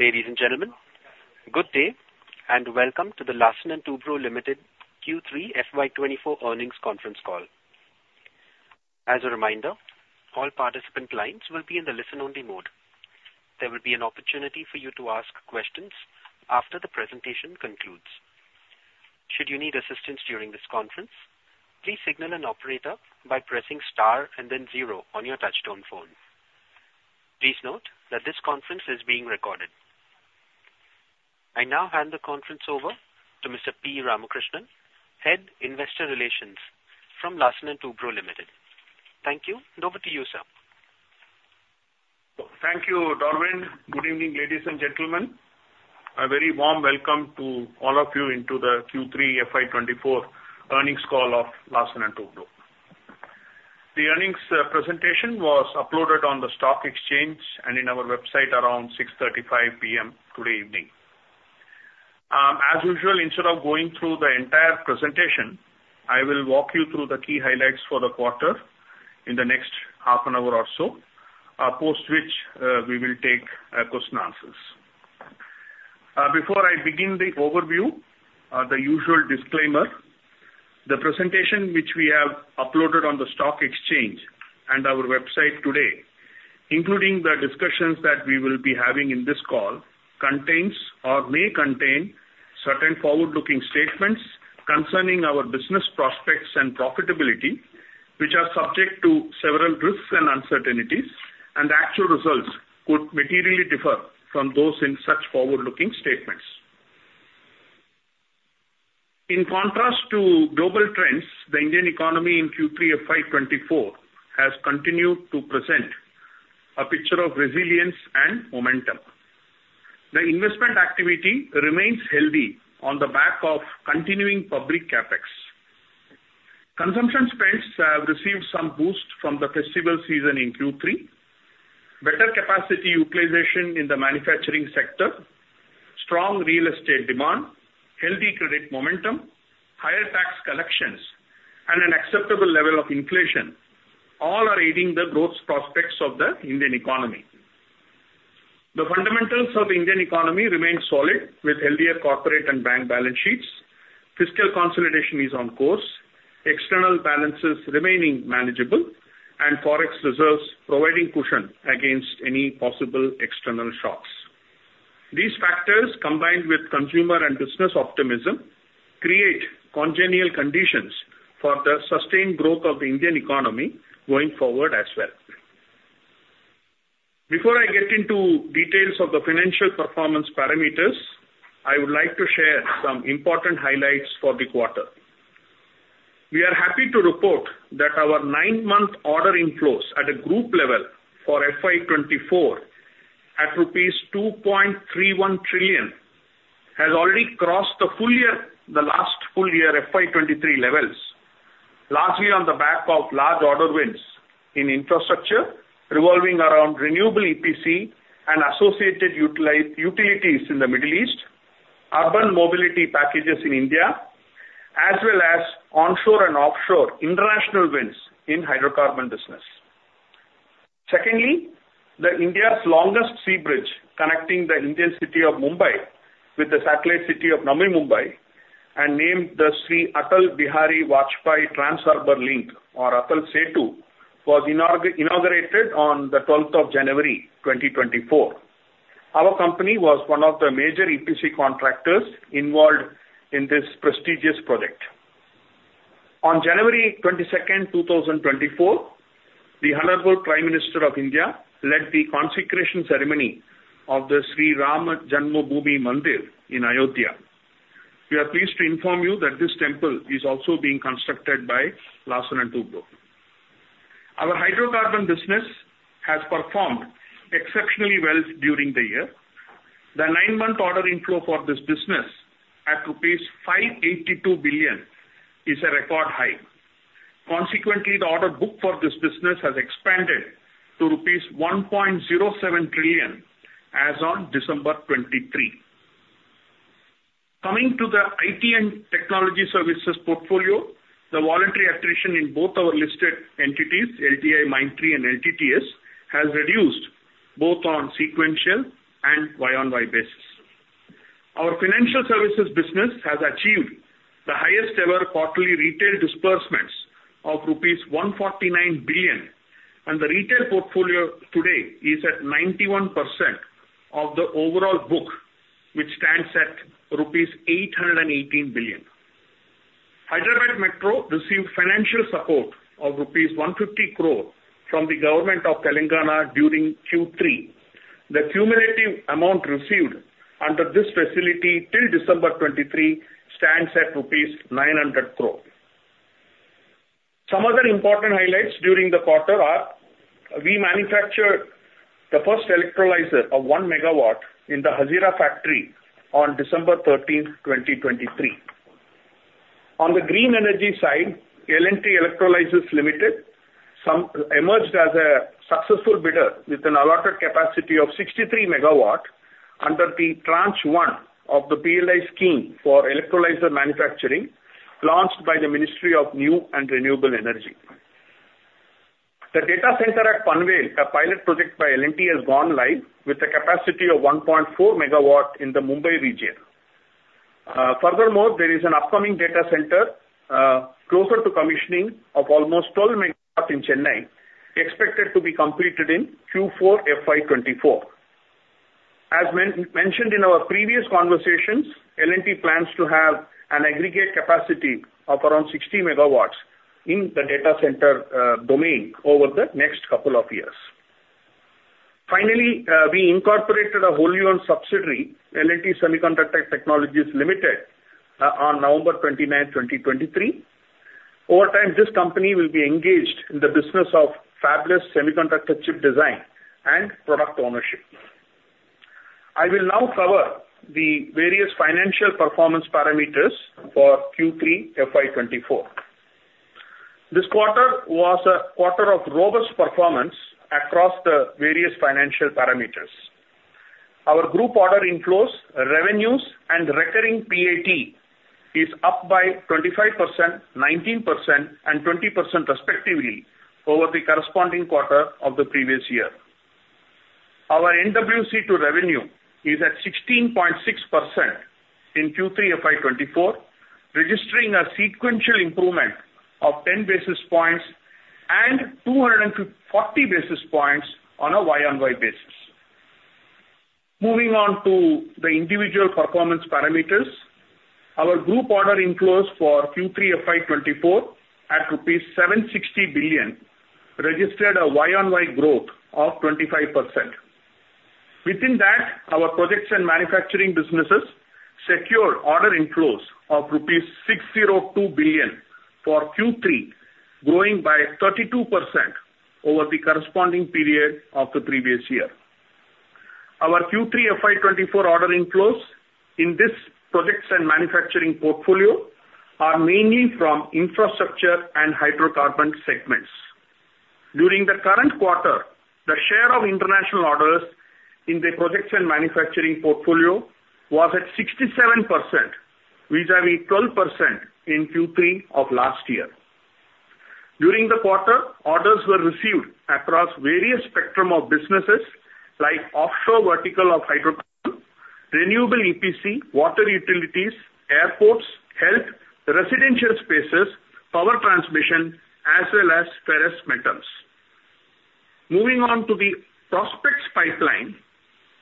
Ladies and gentlemen, good day, and welcome to the Larsen & Toubro Limited Q3 FY'24 Earnings Conference Call. As a reminder, all participant lines will be in the listen-only mode. There will be an opportunity for you to ask questions after the presentation concludes. Should you need assistance during this conference, please signal an operator by pressing star and then zero on your touchtone phone. Please note that this conference is being recorded. I now hand the conference over to Mr. P. Ramakrishnan, Head, Investor Relations from Larsen & Toubro Limited. Thank you. Over to you, sir. Thank you, Darwin. Good evening, ladies and gentlemen. A very warm welcome to all of you into the Q3 FY'24 Earnings Call of Larsen & Toubro. The earnings presentation was uploaded on the stock exchange and in our website around 6:35 P.M. today evening. As usual, instead of going through the entire presentation, I will walk you through the key highlights for the quarter in the next half an hour or so, post which, we will take questions- answers. Before I begin the overview, the usual disclaimer: the presentation, which we have uploaded on the stock exchange and our website today, including the discussions that we will be having in this call, contains or may contain certain forward-looking statements concerning our business prospects and profitability, which are subject to several risks and uncertainties, and the actual results could materially differ from those in such forward-looking statements. In contrast to global trends, the Indian economy in Q3 FY '24 has continued to present a picture of resilience and momentum. The investment activity remains healthy on the back of continuing public CapEx. Consumption spends have received some boost from the festival season in Q3, better capacity utilization in the manufacturing sector, strong real estate demand, healthy credit momentum, higher tax collections, and an acceptable level of inflation, all are aiding the growth prospects of the Indian economy. The fundamentals of the Indian economy remain solid, with healthier corporate and bank balance sheets. Fiscal consolidation is on course, external balances remaining manageable, and forex reserves providing cushion against any possible external shocks. These factors, combined with consumer and business optimism, create congenial conditions for the sustained growth of the Indian economy going forward as well. Before I get into details of the financial performance parameters, I would like to share some important highlights for the quarter. We are happy to report that our nine-month order inflows at a group level for FY '24, at rupees 2.31 trillion, has already crossed the full year, the last full year FY '23 levels, largely on the back of large order wins in infrastructure revolving around renewable EPC and associated utilities in the Middle East, urban mobility packages in India, as well as onshore and offshore international wins in Hydrocarbon business. Secondly, India's longest sea bridge, connecting the Indian city of Mumbai with the satellite city of Navi Mumbai and named the Atal Bihari Vajpayee Trans Harbour Link, or Atal Setu, was inaugurated on the twelfth of January, 2024. Our company was one of the major EPC contractors involved in this prestigious project. On January 22, 2024, the Honorable Prime Minister of India led the consecration ceremony of the Shri Ram Janmabhoomi Mandir in Ayodhya. We are pleased to inform you that this temple is also being constructed by Larsen & Toubro. Our Hydrocarbon business has performed exceptionally well during the year. The nine-month order inflow for this business at rupees 582 billion is a record high. Consequently, the order book for this business has expanded to rupees 1.07 trillion as on December '23. Coming to the IT and technology services portfolio, the voluntary attrition in both our listed entities, LTIMindtree and LTTS, has reduced both on sequential and YoY basis. Our financial services business has achieved the highest ever quarterly retail disbursements of rupees 149 billion, and the retail portfolio today is at 91% of the overall book, which stands at rupees 818 billion. Hyderabad Metro received financial support of rupees 150 crore from the government of Telangana during Q3. The cumulative amount received under this facility till December '23 stands at rupees 900 crore. Some other important highlights during the quarter are: we manufactured the first electrolyser of 1 MW in the Hazira factory on December 13, 2023. On the green energy side, L&T Electrolysers Limited emerged as a successful bidder with an allotted capacity of 63 MW under the Tranche-I of the PLI scheme for electrolyser manufacturing, launched by the Ministry of New and Renewable Energy. The data center at Panvel, a pilot project by L&T, has gone live with a capacity of 1.4 MW in the Mumbai region. Furthermore, there is an upcoming data center closer to commissioning of almost 12 MW in Chennai, expected to be completed in Q4 FY '24. As mentioned in our previous conversations, L&T plans to have an aggregate capacity of around 60 MW in the data center domain over the next couple of years. Finally, we incorporated a wholly-owned subsidiary, L&T Semiconductor Technologies Limited, on November 29, 2023. Over time, this company will be engaged in the business of fabless semiconductor chip design and product ownership. I will now cover the various financial performance parameters for Q3 FY '24. This quarter was a quarter of robust performance across the various financial parameters. Our group order inflows, revenues, and recurring PAT is up by 25%, 19%, and 20% respectively, over the corresponding quarter of the previous year. Our NWC to revenue is at 16.6% in Q3 FY '24, registering a sequential improvement of 10 basis points and 240 basis points on a YoY basis. Moving on to the individual performance parameters, our group order inflows for Q3 FY '24 at INR 760 billion, registered a YoY growth of 25%. Within that, our Projects and Manufacturing businesses secured order inflows of rupees 602 billion for Q3, growing by 32% over the corresponding period of the previous year. Our Q3 FY '24 order inflows in this Projects and Manufacturing portfolio are mainly from infrastructure and hydrocarbon segments. During the current quarter, the share of international orders in the Projects and Manufacturing portfolio was at 67%, vis-a-vis 12% in Q3 of last year. During the quarter, orders were received across various spectrum of businesses, like offshore vertical of hydrocarbon, renewable EPC, water utilities, airports, health, residential spaces, power transmission, as well as Ferrous Metals. Moving on to the prospects pipeline,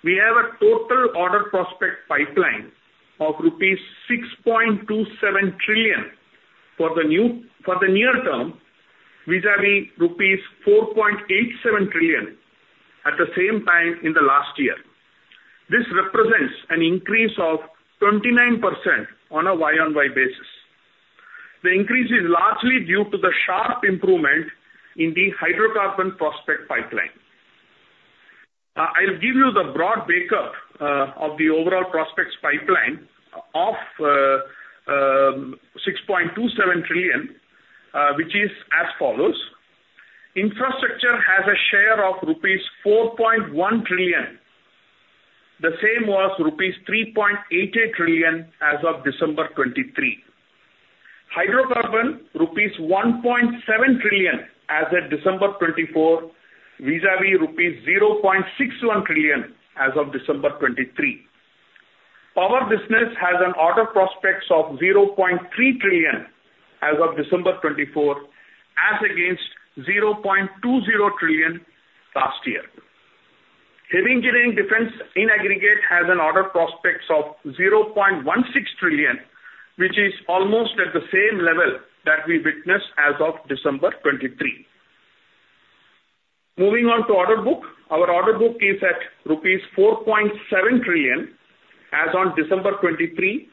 we have a total order prospect pipeline of rupees 6.27 trillion for the near term, vis-a-vis rupees 4.87 trillion at the same time in the last year. This represents an increase of 29% on a YoY basis. The increase is largely due to the sharp improvement in the hydrocarbon prospect pipeline. I'll give you the broad breakup of the overall prospects pipeline of 6.27 trillion, which is as follows: infrastructure has a share of rupees 4.1 trillion. The same was rupees 3.88 trillion as of December '23. Hydrocarbon, rupees 1.7 trillion as at December '24, vis-a-vis rupees 0.61 trillion as of December '23. Power business has an order prospects of 0.3 trillion as of December '24, as against 0.20 trillion last year. Heavy Engineering- Defence in aggregate has an order prospects of 0.16 trillion, which is almost at the same level that we witnessed as of December '23. Moving on to order book. Our order book is at rupees 4.7 trillion as on December '23,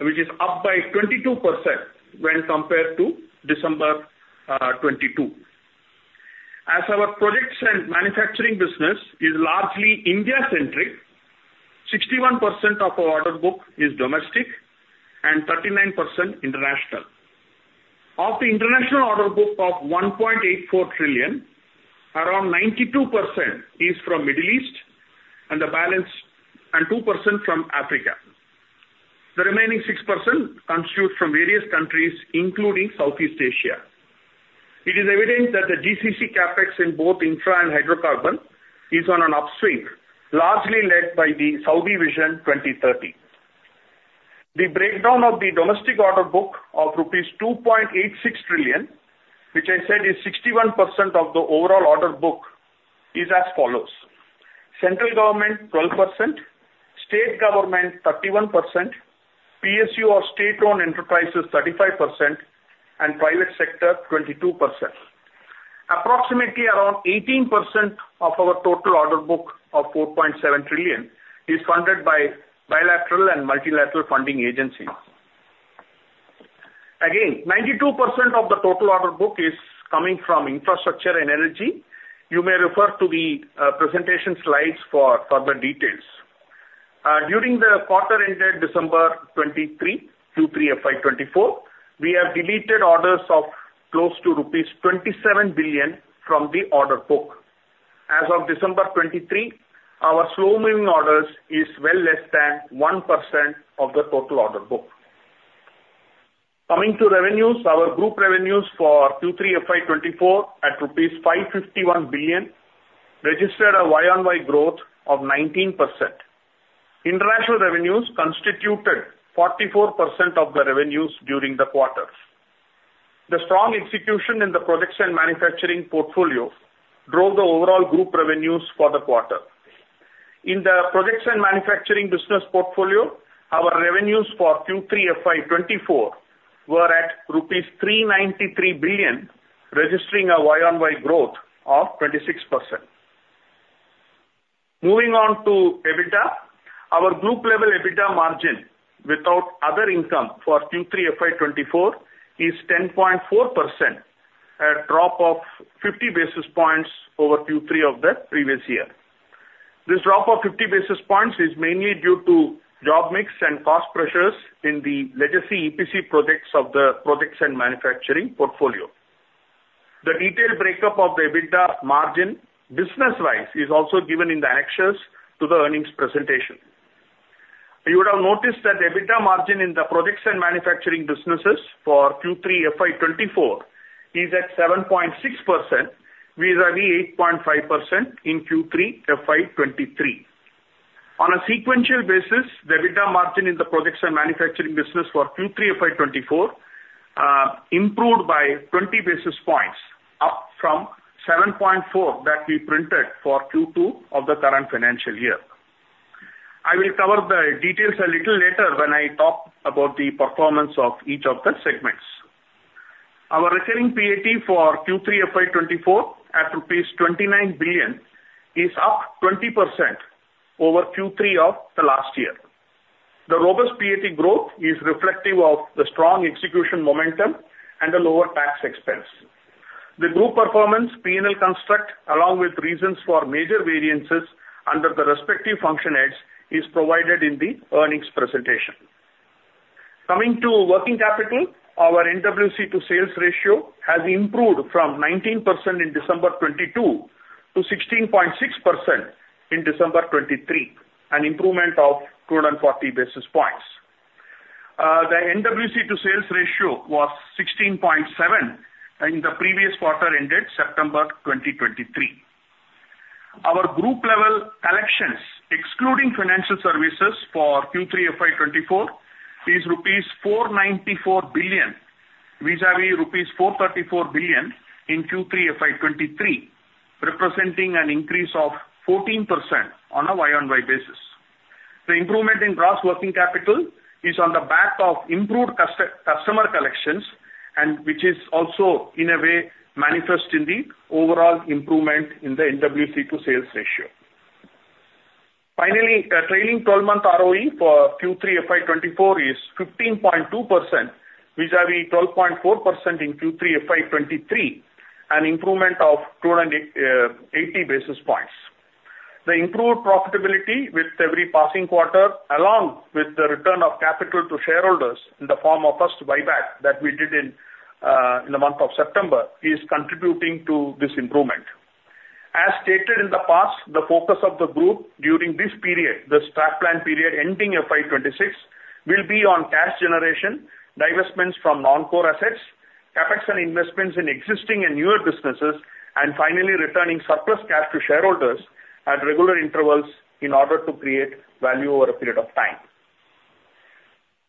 which is up by 22% when compared to December 2022. As our Projects and Manufacturing business is largely India-centric, 61% of our order book is domestic and 39% international. Of the international order book of 1.84 trillion, around 92% is from Middle East and the balance and 2% from Africa. The remaining 6% constitute from various countries, including Southeast Asia. It is evident that the GCC CapEx in both infra and hydrocarbon is on an upswing, largely led by the Saudi Vision 2030. The breakdown of the domestic order book of rupees 2.86 trillion, which I said is 61% of the overall order book, is as follows: central government, 12%; state government, 31%; PSU or state-owned enterprises, 35%; and private sector, 22%. Approximately around 18% of our total order book of 4.7 trillion is funded by bilateral and multilateral funding agencies. Again, 92% of the total order book is coming from infrastructure and energy. You may refer to the presentation slides for further details. During the quarter ended December '23, Q3 FY '24, we have deleted orders of close to rupees 27 billion from the order book. As of December '23, our slow-moving orders is well less than 1% of the total order book. Coming to revenues, our group revenues for Q3 FY '24 at rupees 551 billion registered a YoY growth of 19%. International revenues constituted 44% of the revenues during the quarter. The strong execution in the Projects and Manufacturing portfolio drove the overall group revenues for the quarter. In the Projects and Manufacturing business portfolio, our revenues for Q3 FY '24 were at rupees 393 billion, registering a YoY growth of 26%. Moving on to EBITDA, our group level EBITDA margin without other income for Q3 FY '24 is 10.4%, a drop of fifty basis points over Q3 of the previous year. This drop of fifty basis points is mainly due to job mix and cost pressures in the legacy EPC projects of the Projects and Manufacturing portfolio. The detailed breakup of the EBITDA margin, business-wise, is also given in the annexures to the earnings presentation. You would have noticed that the EBITDA margin in the Projects and Manufacturing businesses for Q3 FY '24 is at 7.6%, vis-a-vis 8.5% in Q3 FY '23. On a sequential basis, the EBITDA margin in the Projects and Manufacturing business for Q3 FY '24 improved by 20 basis points, up from 7.4 that we printed for Q2 of the current financial year. I will cover the details a little later when I talk about the performance of each of the segments. Our recurring PAT for Q3 FY '24, at rupees 29 billion, is up 20% over Q3 of the last year. The robust PAT growth is reflective of the strong execution momentum and the lower tax expense. The group performance P&L construct, along with reasons for major variances under the respective functional heads, is provided in the earnings presentation. Coming to working capital, our NWC-to-sales ratio has improved from 19% in December 2022 to 16.6% in December '23, an improvement of 240 basis points. The NWC to sales ratio was 16.7 in the previous quarter ended September 2023. Our group level collections, excluding financial services for Q3 FY '24, is rupees 494 billion, vis-a-vis rupees 434 billion in Q3 FY '23, representing an increase of 14% on a YoY basis. The improvement in gross working capital is on the back of improved customer collections, and which is also, in a way, manifest in the overall improvement in the NWC to sales ratio. Finally, the trailing twelve-month ROE for Q3 FY '24 is 15.2%, vis-a-vis 12.4% in Q3 FY '23, an improvement of 280 basis points. The improved profitability with every passing quarter, along with the return of capital to shareholders in the form of first buyback that we did in the month of September, is contributing to this improvement. As stated in the past, the focus of the group during this period, the strat plan period ending FY 2026, will be on cash generation, divestments from non-core assets, CapEx and investments in existing and newer businesses, and finally, returning surplus cash to shareholders at regular intervals in order to create value over a period of time.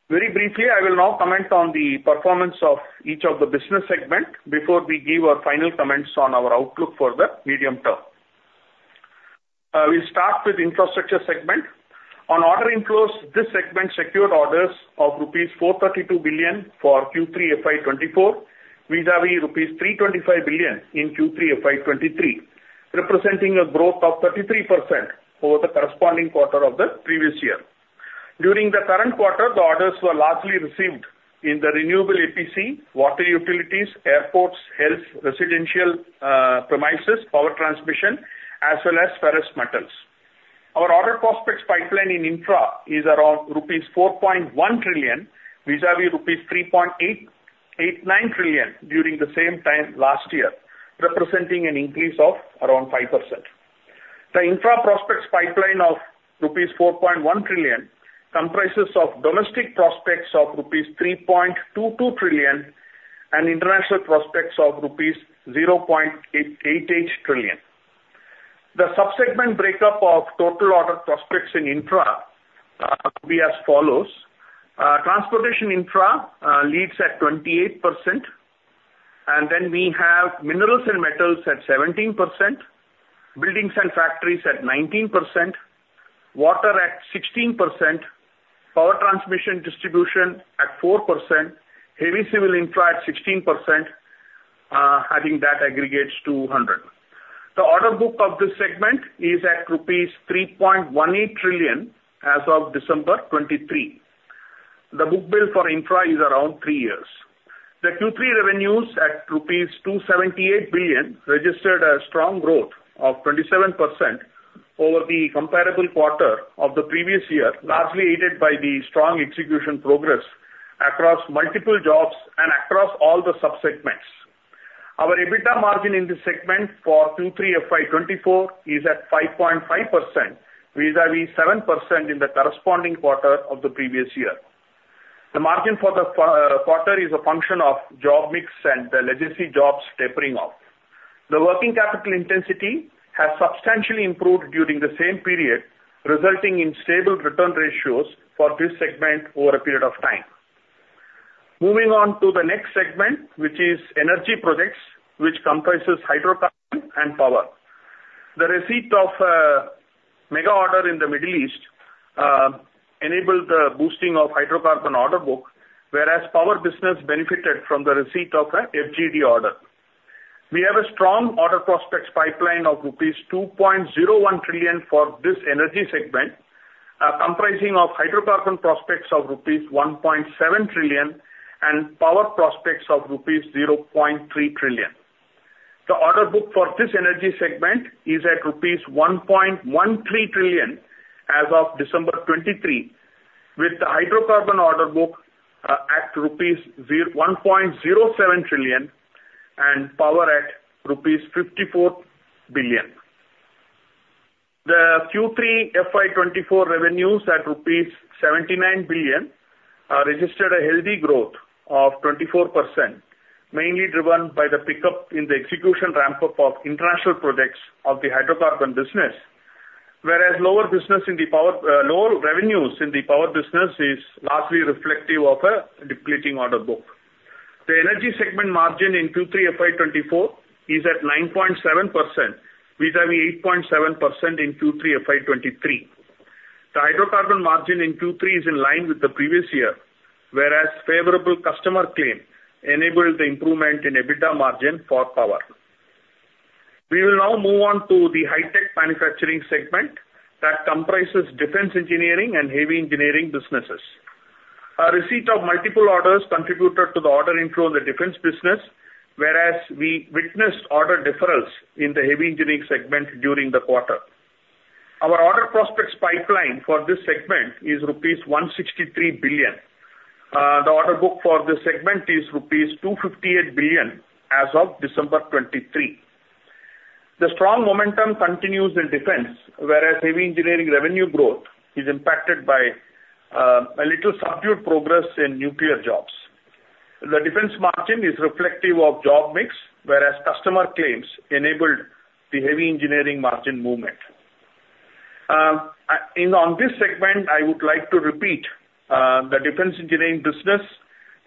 Very briefly, I will now comment on the performance of each of the business segment before we give our final comments on our outlook for the medium term. We'll start with Infrastructure segment. On order inflows, this segment secured orders of rupees 432 billion for Q3 FY '24, vis-a-vis rupees 325 billion in Q3 FY '23, representing a growth of 33% over the corresponding quarter of the previous year. During the current quarter, the orders were largely received in the renewable EPC, water utilities, airports, health, residential, premises, power transmission, as well as ferrous metals. Our order prospects pipeline in infra is around rupees 4.1 trillion, vis-a-vis rupees 3.889 trillion during the same time last year, representing an increase of around 5%. The infra prospects pipeline of rupees 4.1 trillion comprises of domestic prospects of rupees 3.22 trillion and international prospects of rupees 0.88 trillion. The sub-segment breakup of total order prospects in infra would be as follows: Transportation Infra leads at 28%, and then we have Minerals and Metals at 17%, Buildings and Factories at 19%, Water at 16%, Power Transmission Distribution at 4%, Heavy Civil Infra at 16%, adding that aggregates to 100. The order book of this segment is at rupees 3.18 trillion as of December '23. The Book-to-Bill for infra is around 3 years. The Q3 revenues at rupees 278 billion registered a strong growth of 27% over the comparable quarter of the previous year, largely aided by the strong execution progress across multiple jobs and across all the sub-segments. Our EBITDA margin in this segment for Q3 FY '24 is at 5.5%, vis-à-vis 7% in the corresponding quarter of the previous year. The margin for the quarter is a function of job mix and the legacy jobs tapering off. The working capital intensity has substantially improved during the same period, resulting in stable return ratios for this segment over a period of time. Moving on to the next segment, which is Energy Projects, which comprises hydrocarbon and power. The receipt of mega order in the Middle East enabled the boosting of hydrocarbon order book, whereas Power business benefited from the receipt of a FGD order. We have a strong order prospects pipeline of rupees 2.01 trillion for this energy segment, comprising of Hydrocarbon prospects of rupees 1.7 trillion and Power prospects of rupees 0.3 trillion. The order book for this energy segment is at rupees 1.13 trillion as of December '23, with the hydrocarbon order book at rupees 1.07 trillion and power at rupees 54 billion. The Q3 FY '24 revenues at rupees 79 billion registered a healthy growth of 24%, mainly driven by the pickup in the execution ramp-up of international projects of the Hydrocarbon business, whereas lower business in the power, lower revenues in the Power business is largely reflective of a depleting order book. The energy segment margin in Q3 FY '24 is at 9.7%, vis-a-vis 8.7% in Q3 FY '23. The hydrocarbon margin in Q3 is in line with the previous year, whereas favorable customer claim enabled the improvement in EBITDA margin for power. We will now move on to the Hi-Tech Manufacturing segment that Defence Engineering and Heavy Engineering businesses. A receipt of multiple orders contributed to the order inflow in the Defence business, whereas we witnessed order deferrals in the Heavy Engineering segment during the quarter. Our order prospects pipeline for this segment is rupees 163 billion. The order book for this segment is rupees 258 billion as of December '23. The strong momentum continues in Defence, whereas Heavy Engineering revenue growth is impacted by a little subdued progress in nuclear jobs. The Defence margin is reflective of job mix, whereas customer claims enabled the Heavy Engineering margin movement. In- on this segment, I would like to repeat, Defence Engineering business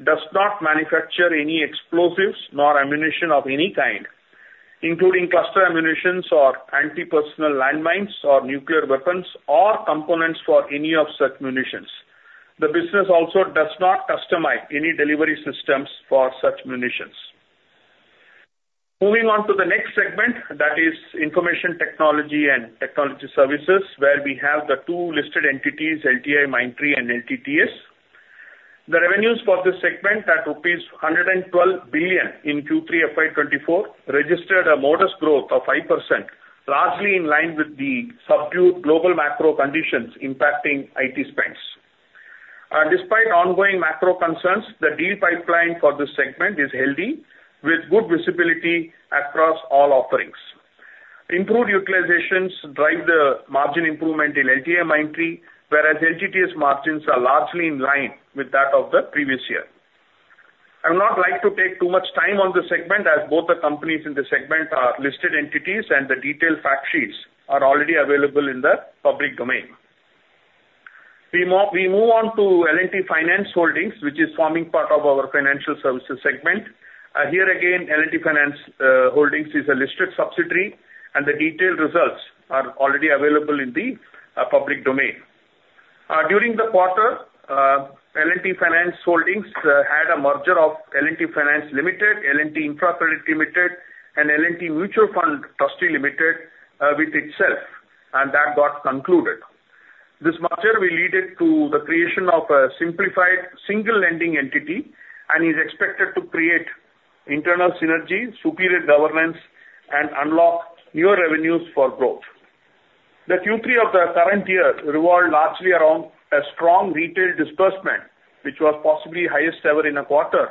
does not manufacture any explosives nor ammunition of any kind, including cluster ammunitions or anti-personnel landmines, or nuclear weapons, or components for any of such munitions. The business also does not customize any delivery systems for such munitions. Moving on to the next segment, that is Information Technology and Technology Services, where we have the two listed entities, LTIMindtree and LTTS. The revenues for this segment at INR 112 billion in Q3 FY '24 registered a modest growth of 5%, largely in line with the subdued global macro conditions impacting IT spends. Despite ongoing macro concerns, the deal pipeline for this segment is healthy, with good visibility across all offerings. Improved utilizations drive the margin improvement in LTIMindtree, whereas LTTS margins are largely in line with that of the previous year. I would not like to take too much time on this segment, as both the companies in the segment are listed entities, and the detailed fact sheets are already available in the public domain. We move on to L&T Finance Holdings, which is forming part of our Financial Services segment. Here again, L&T Finance Holdings is a listed subsidiary, and the detailed results are already available in the public domain. During the quarter, L&T Finance Holdings had a merger of L&T Finance Limited, L&T Infra Credit Limited, and L&T Mutual Fund Trustee Limited with itself, and that got concluded. This merger will lead it to the creation of a simplified single lending entity and is expected to create internal synergy, superior governance, and unlock new revenues for growth. The Q3 of the current year revolved largely around a strong retail disbursement, which was possibly highest ever in a quarter,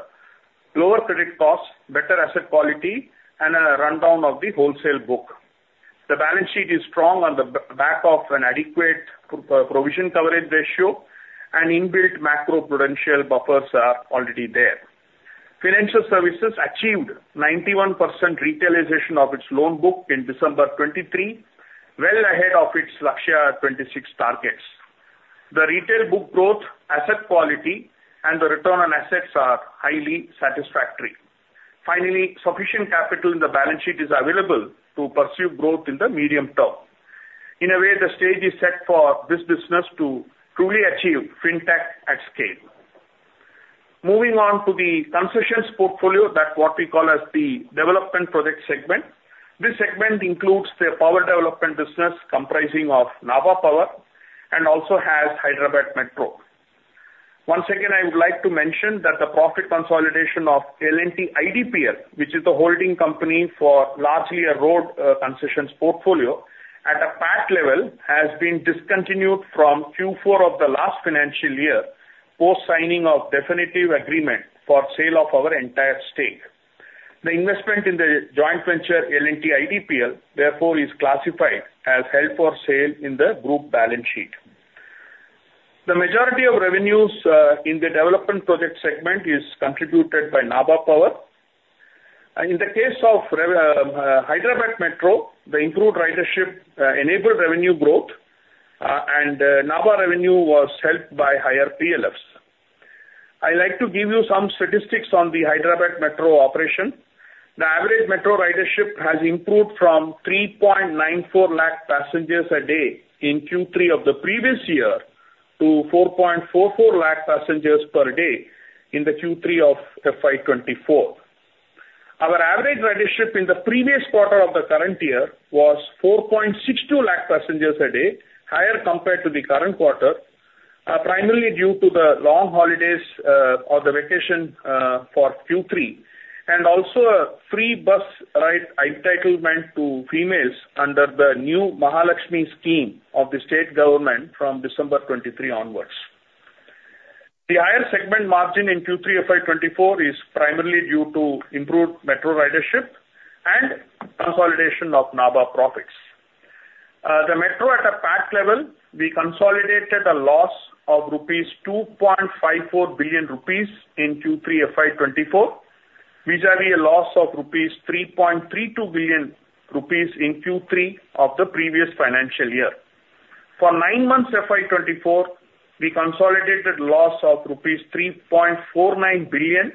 lower credit costs, better asset quality, and a rundown of the wholesale book. The balance sheet is strong on the back of an adequate provision coverage ratio, and inbuilt macro-prudential buffers are already there. Financial services achieved 91% retailization of its loan book in December '23, well ahead of its Lakshya 2026 targets. The retail book growth, asset quality, and the return on assets are highly satisfactory. Finally, sufficient capital in the balance sheet is available to pursue growth in the medium term. In a way, the stage is set for this business to truly achieve Fintech at scale. Moving on to the concessions portfolio, that what we call as the Development Project segment. This segment includes the Power Development business comprising of Nabha Power and also has Hyderabad Metro. Once again, I would like to mention that the profit consolidation of L&T IDPL, which is the holding company for largely a road, concessions portfolio, at a PAT level, has been discontinued from Q4 of the last financial year, post signing of definitive agreement for sale of our entire stake. The investment in the joint venture, L&T IDPL, therefore, is classified as held for sale in the group balance sheet. The majority of revenues in the Development Project segment is contributed by Nabha Power. And in the case of Hyderabad Metro, the improved ridership enabled revenue growth, and Nabha revenue was helped by higher PLFs. I'd like to give you some statistics on the Hyderabad Metro operation. The average metro ridership has improved from 3.94 lakh passengers a day in Q3 of the previous year, to 4.44 lakh passengers per day in the Q3 of FY '24. Our average ridership in the previous quarter of the current year was 4.62 lakh passengers a day, higher compared to the current quarter, primarily due to the long holidays, or the vacation, for Q3, and also a free bus ride entitlement to females under the new Mahalakshmi scheme of the state government from December '23 onwards. The higher segment margin in Q3 of FY '24 is primarily due to improved metro ridership and consolidation of Nabha profits. The metro at an EPC level, we consolidated a loss of 2.54 billion rupees in Q3 FY '24, vis-à-vis a loss of 3.32 billion rupees in Q3 of the previous financial year. For nine months, FY '24, we consolidated loss of rupees 3.49 billion,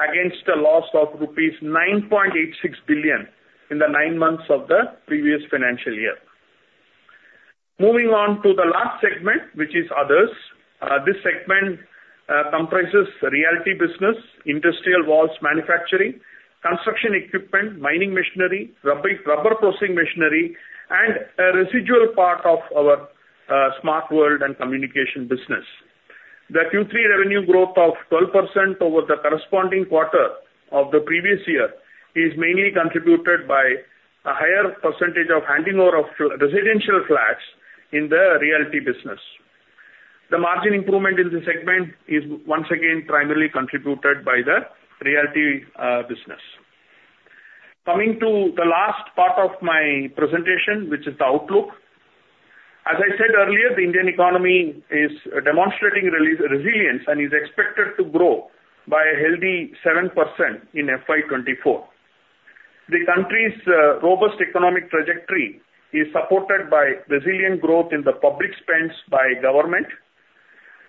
against a loss of rupees 9.86 billion in the nine months of the previous financial year. Moving on to the last segment, which is others. This segment comprises the Realty business, Industrial Valves manufacturing, Construction Equipment, Mining Machinery, Rubber Processing Machinery, and a residual part of our Smart World & Communication business. The Q3 revenue growth of 12% over the corresponding quarter of the previous year is mainly contributed by a higher percentage of handing over of residential flats in the Realty business. The margin improvement in the segment is once again, primarily contributed by the Realty business. Coming to the last part of my presentation, which is the outlook. As I said earlier, the Indian economy is demonstrating resilience and is expected to grow by a healthy 7% in FY '24. The country's robust economic trajectory is supported by resilient growth in the public spends by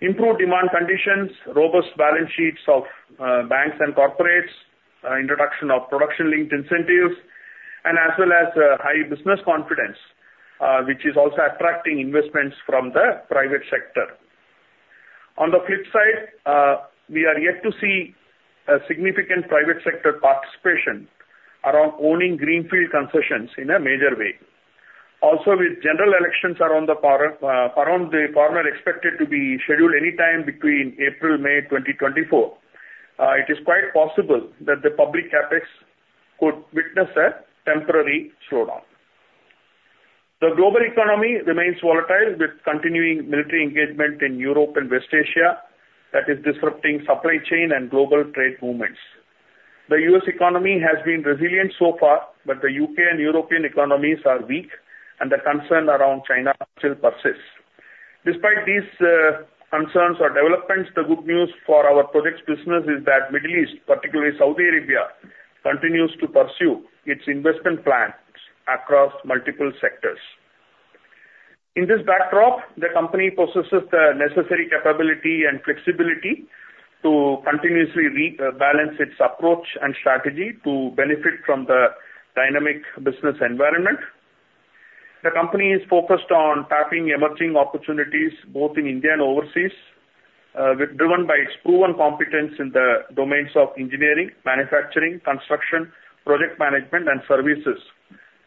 government, improved demand conditions, robust balance sheets of banks and corporates, introduction of production-linked incentives, and as well as high business confidence, which is also attracting investments from the private sector. On the flip side, we are yet to see a significant private sector participation around owning greenfield concessions in a major way. Also, with general elections around the corner, expected to be scheduled anytime between April and May 2024, it is quite possible that the public CapEx could witness a temporary slowdown. The global economy remains volatile, with continuing military engagement in Europe and West Asia that is disrupting supply chain and global trade movements. The U.S. economy has been resilient so far, but the U.K. and European economies are weak, and the concern around China still persists. Despite these, concerns or developments, the good news for our projects business is that Middle East, particularly Saudi Arabia, continues to pursue its investment plans across multiple sectors. In this backdrop, the company possesses the necessary capability and flexibility to continuously rebalance its approach and strategy to benefit from the dynamic business environment. The company is focused on tapping emerging opportunities both in India and overseas, with driven by its proven competence in the domains of engineering, manufacturing, construction, project management, and services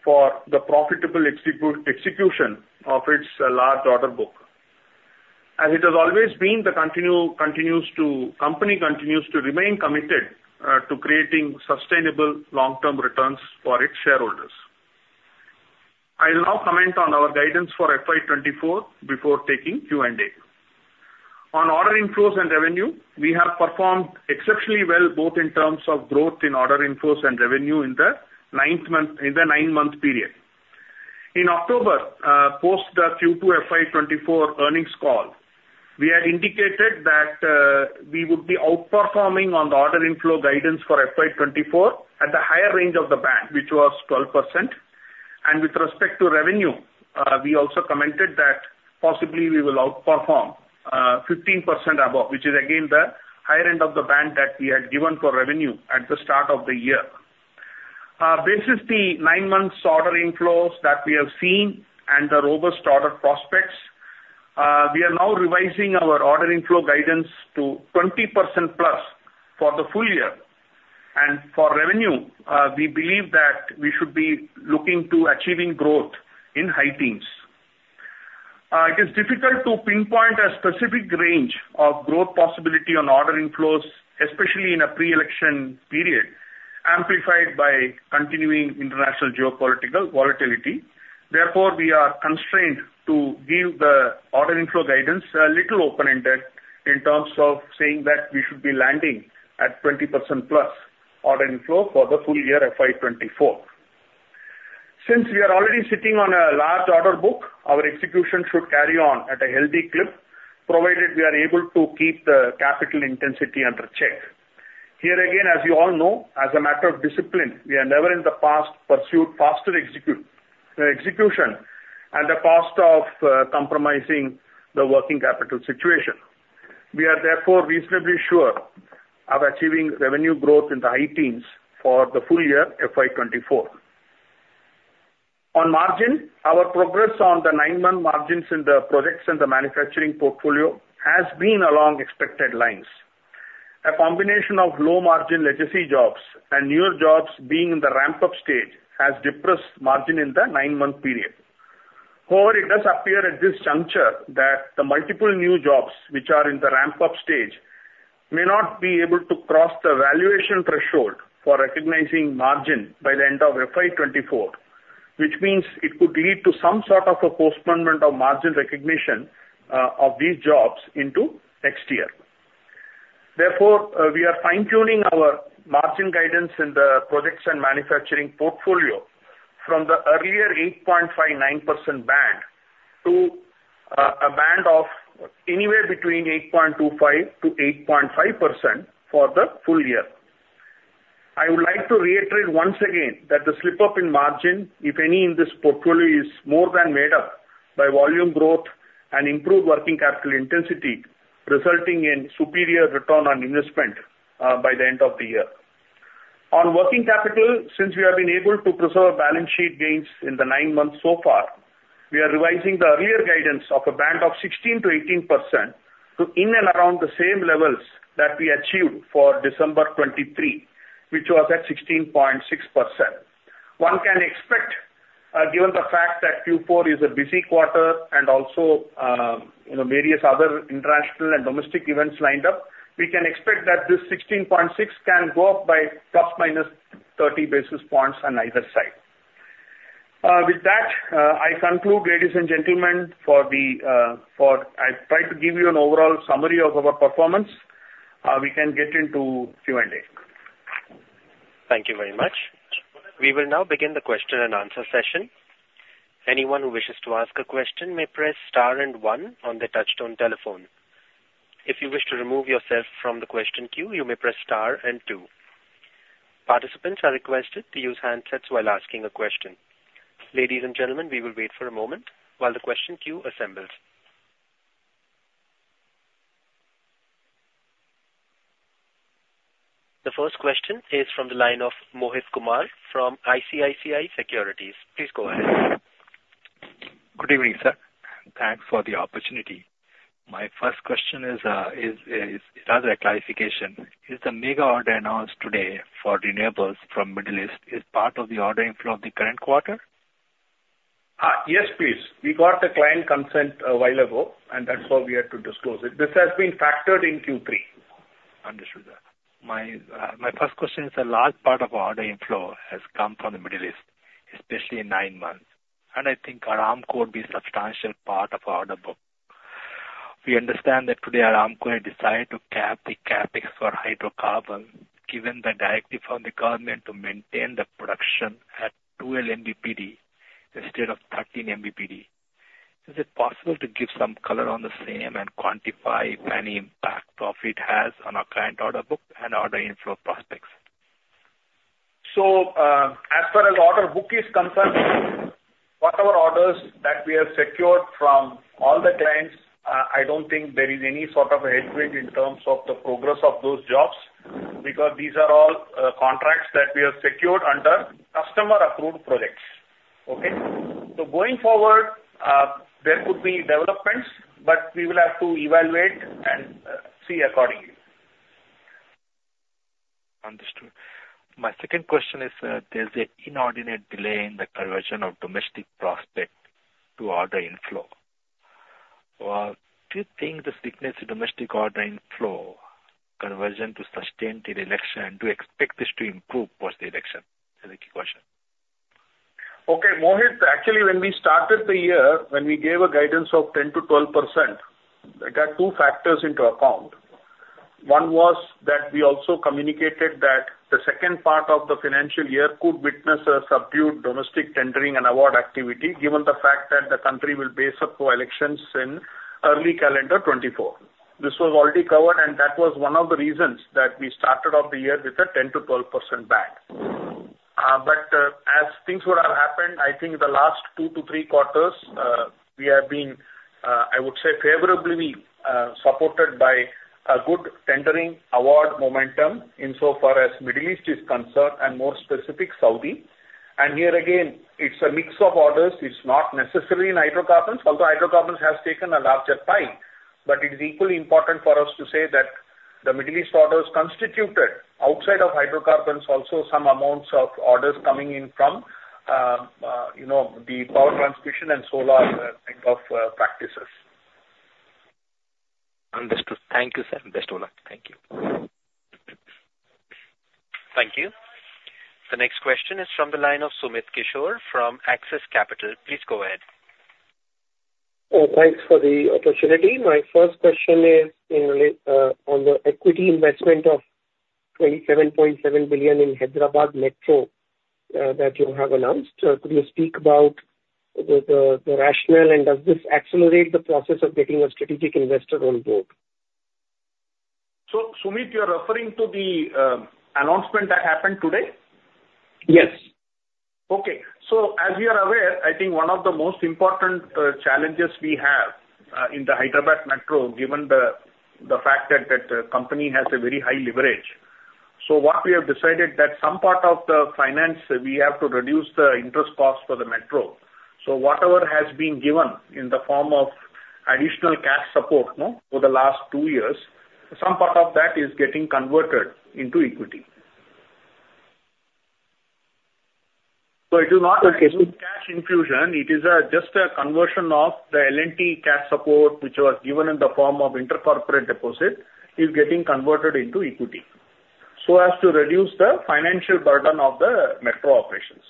for the profitable execution of its large order book. As it has always been, the company continues to remain committed to creating sustainable long-term returns for its shareholders. I'll now comment on our guidance for FY '24 before taking Q&A. On order inflows and revenue, we have performed exceptionally well, both in terms of growth in order inflows and revenue in the nine-month period. In October, post the Q2 FY '24 earnings call, we had indicated that we would be outperforming on the order inflow guidance for FY '24 at the higher range of the band, which was 12%. And with respect to revenue, we also commented that possibly we will outperform 15% above, which is again, the higher end of the band that we had given for revenue at the start of the year. This is the nine months order inflows that we have seen and the robust order prospects. We are now revising our order inflow guidance to 20%+ for the full year. And for revenue, we believe that we should be looking to achieving growth in high-teens. It is difficult to pinpoint a specific range of growth possiblity on order inflows, especially in a pre-election period, amplified by continuing international geopolitical volatility. Therefore, we are constrained to give the order inflow guidance a little open-ended in terms of saying that we should be landing at 20%+ order inflow for the full year FY '24. Since we are already sitting on a large order book, our execution should carry on at a healthy clip, provided we are able to keep the capital intensity under check. Here again, as you all know, as a matter of discipline, we are never in the past pursued faster execution at the cost of compromising the working capital situation. We are therefore reasonably sure of achieving revenue growth in the high-teens for the full year FY '24. On margin, our progress on the nine-month margins in the projects and the manufacturing portfolio has been along expected lines. A combination of low margin legacy jobs and newer jobs being in the ramp-up stage has depressed margin in the 9-month period. However, it does appear at this juncture that the multiple new jobs which are in the ramp-up stage may not be able to cross the valuation threshold for recognizing margin by the end of FY '24, which means it could lead to some sort of a postponement of margin recognition of these jobs into next year. Therefore, we are fine-tuning our margin guidance in the Projects and Manufacturing portfolio from the earlier 8.59% band to a band of anywhere between 8.25%-8.5% for the full year. I would like to reiterate once again that the slip-up in margin, if any, in this portfolio, is more than made up by volume growth and improved working capital intensity, resulting in superior return on investment, by the end of the year. On working capital, since we have been able to preserve balance sheet gains in the nine months so far, we are revising the earlier guidance of a band of 16%-18% to in and around the same levels that we achieved for December '23, which was at 16.6%. One can expect, given the fact that Q4 is a busy quarter and also, you know, various other international and domestic events lined up, we can expect that this 16.6% can go up by ±30 basis points on either side. With that, I conclude, ladies and gentlemen. I tried to give you an overall summary of our performance. We can get into Q&A. Thank you very much. We will now begin the question-and-answer session. Anyone who wishes to ask a question may press star and one on their touchtone telephone. If you wish to remove yourself from the question queue, you may press star and two. Participants are requested to use handsets while asking a question. Ladies and gentlemen, we will wait for a moment while the question queue assembles. The first question is from the line of Mohit Kumar from ICICI Securities. Please go ahead. Good evening, sir. Thanks for the opportunity. My first question is rather a clarification. Is the mega order announced today for the renewables from Middle East part of the order inflow of the current quarter? Yes, please. We got the client consent a while ago, and that's why we had to disclose it. This has been factored in Q3. Understood, sir. My, my first question is, a large part of order inflow has come from the Middle East, especially in nine months, and I think Aramco would be a substantial part of our order book. We understand that today Aramco has decided to cap the CapEx for Hydrocarbons, given the directive from the government to maintain the production at 12 mbpd instead of 13 mbpd. Is it possible to give some color on the same and quantify if any impact profit it has on our current order book and order inflow prospects? So, as far as order book is concerned, whatever orders that we have secured from all the clients, I don't think there is any sort of a headway in terms of the progress of those jobs, because these are all, contracts that we have secured under customer-approved projects. Okay? So going forward, there could be developments, but we will have to evaluate and, see accordingly. Understood. My second question is, there's an inordinate delay in the conversion of domestic prospect to order inflow. Do you think the thickness of domestic order inflow conversion to sustain till election, do you expect this to improve post the election? That's the key question. Okay, Mohit, actually, when we started the year, when we gave a guidance of 10%-12%, that two factors into account. One was that we also communicated that the second part of the financial year could witness a subdued domestic tendering and award activity, given the fact that the country will face up for elections in early calendar '24. This was already covered, and that was one of the reasons that we started off the year with a 10%-12% band. But, as things would have happened, I think the last two to three quarters, we have been, I would say, favorably, supported by a good tendering award momentum insofar as Middle East is concerned, and more specific, Saudi. And here again, it's a mix of orders. It's not necessarily in Hydrocarbons, although Hydrocarbons has taken a larger pie, but it is equally important for us to say that the Middle East orders constituted outside of Hydrocarbons, also some amounts of orders coming in from you know, the power transmission and solar kind of practices. Understood. Thank you, sir. Best of luck. Thank you. Thank you. The next question is from the line of Sumit Kishore from Axis Capital. Please go ahead. Thanks for the opportunity. My first question is regarding the equity investment of 27.7 billion in Hyderabad Metro that you have announced. Could you speak about the rationale, and does this accelerate the process of getting a strategic investor on board? So, Sumit, you're referring to the announcement that happened today? Yes. Okay. So as you are aware, I think one of the most important challenges we have in the Hyderabad Metro, given the fact that the company has a very high leverage. So what we have decided that some part of the finance, we have to reduce the interest cost for the metro. So whatever has been given in the form of additional cash support, no? For the last two years, some part of that is getting converted into equity. So it is not- Okay. Cash infusion, it is just a conversion of the L&T cash support, which was given in the form of intercorporate deposit, is getting converted into equity, so as to reduce the financial burden of the metro operations.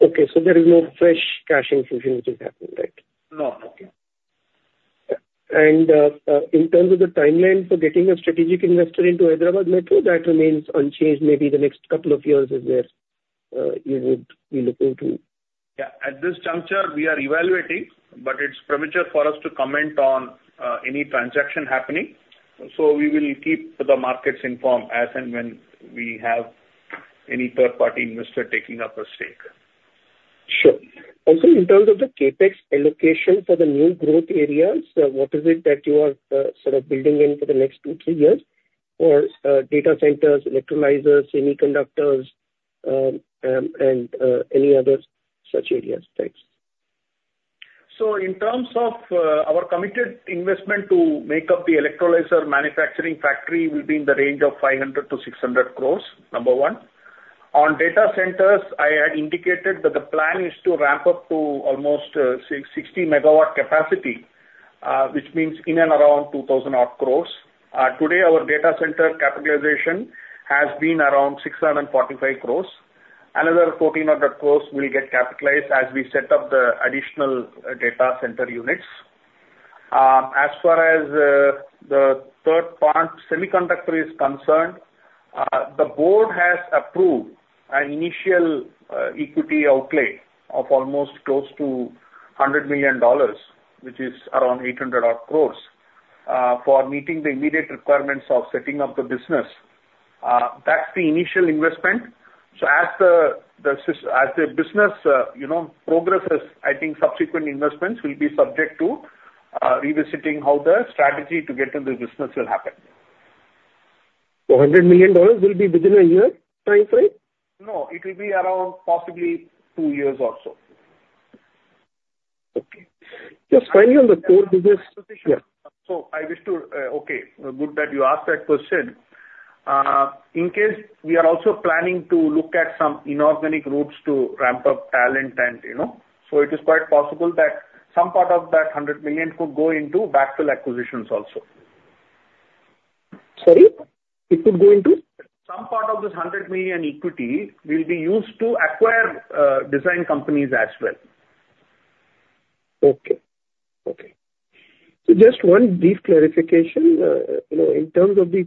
Okay, so there is no fresh cash infusion which is happening, right? No. Okay. And, in terms of the timeline for getting a strategic investor into Hyderabad Metro, that remains unchanged, maybe the next couple of years is where you would be looking to? Yeah. At this juncture, we are evaluating, but it's premature for us to comment on any transaction happening. So we will keep the markets informed as and when we have any third-party investor taking up a stake. Sure. Also, in terms of the CapEx allocation for the new growth areas, what is it that you are sort of building in for the next two, three years for data centers, electrolysers, semiconductors, and any other such areas? Thanks. So in terms of, our committed investment to make up the electrolyser manufacturing factory will be in the range of 500-600 crores, number one. On data centers, I had indicated that the plan is to ramp up to almost, 660 MW capacity, which means in and around 2,000-odd crores. Today, our data center capitalization has been around 645 crores. Another 1,400 crores will get capitalized as we set up the additional data center units. As far as, the third part, semiconductor is concerned, the board has approved an initial, equity outlay of almost close to $100 million, which is around 800-odd crores, for meeting the immediate requirements of setting up the business. That's the initial investment. So as the business, you know, progresses, I think subsequent investments will be subject to revisiting how the strategy to get into the business will happen. So $100 million will be within a year timeframe? No, it will be around possibly 2 years or so. Okay. Just finally on the core business... Okay, good that you asked that question. In case we are also planning to look at some inorganic routes to ramp up talent and, you know, so it is quite possible that some part of that 100 million could go into backfill acquisitions also. Sorry, it could go into...? Some part of this 100 million equity will be used to acquire design companies as well. Okay. Okay. So just one brief clarification, you know, in terms of the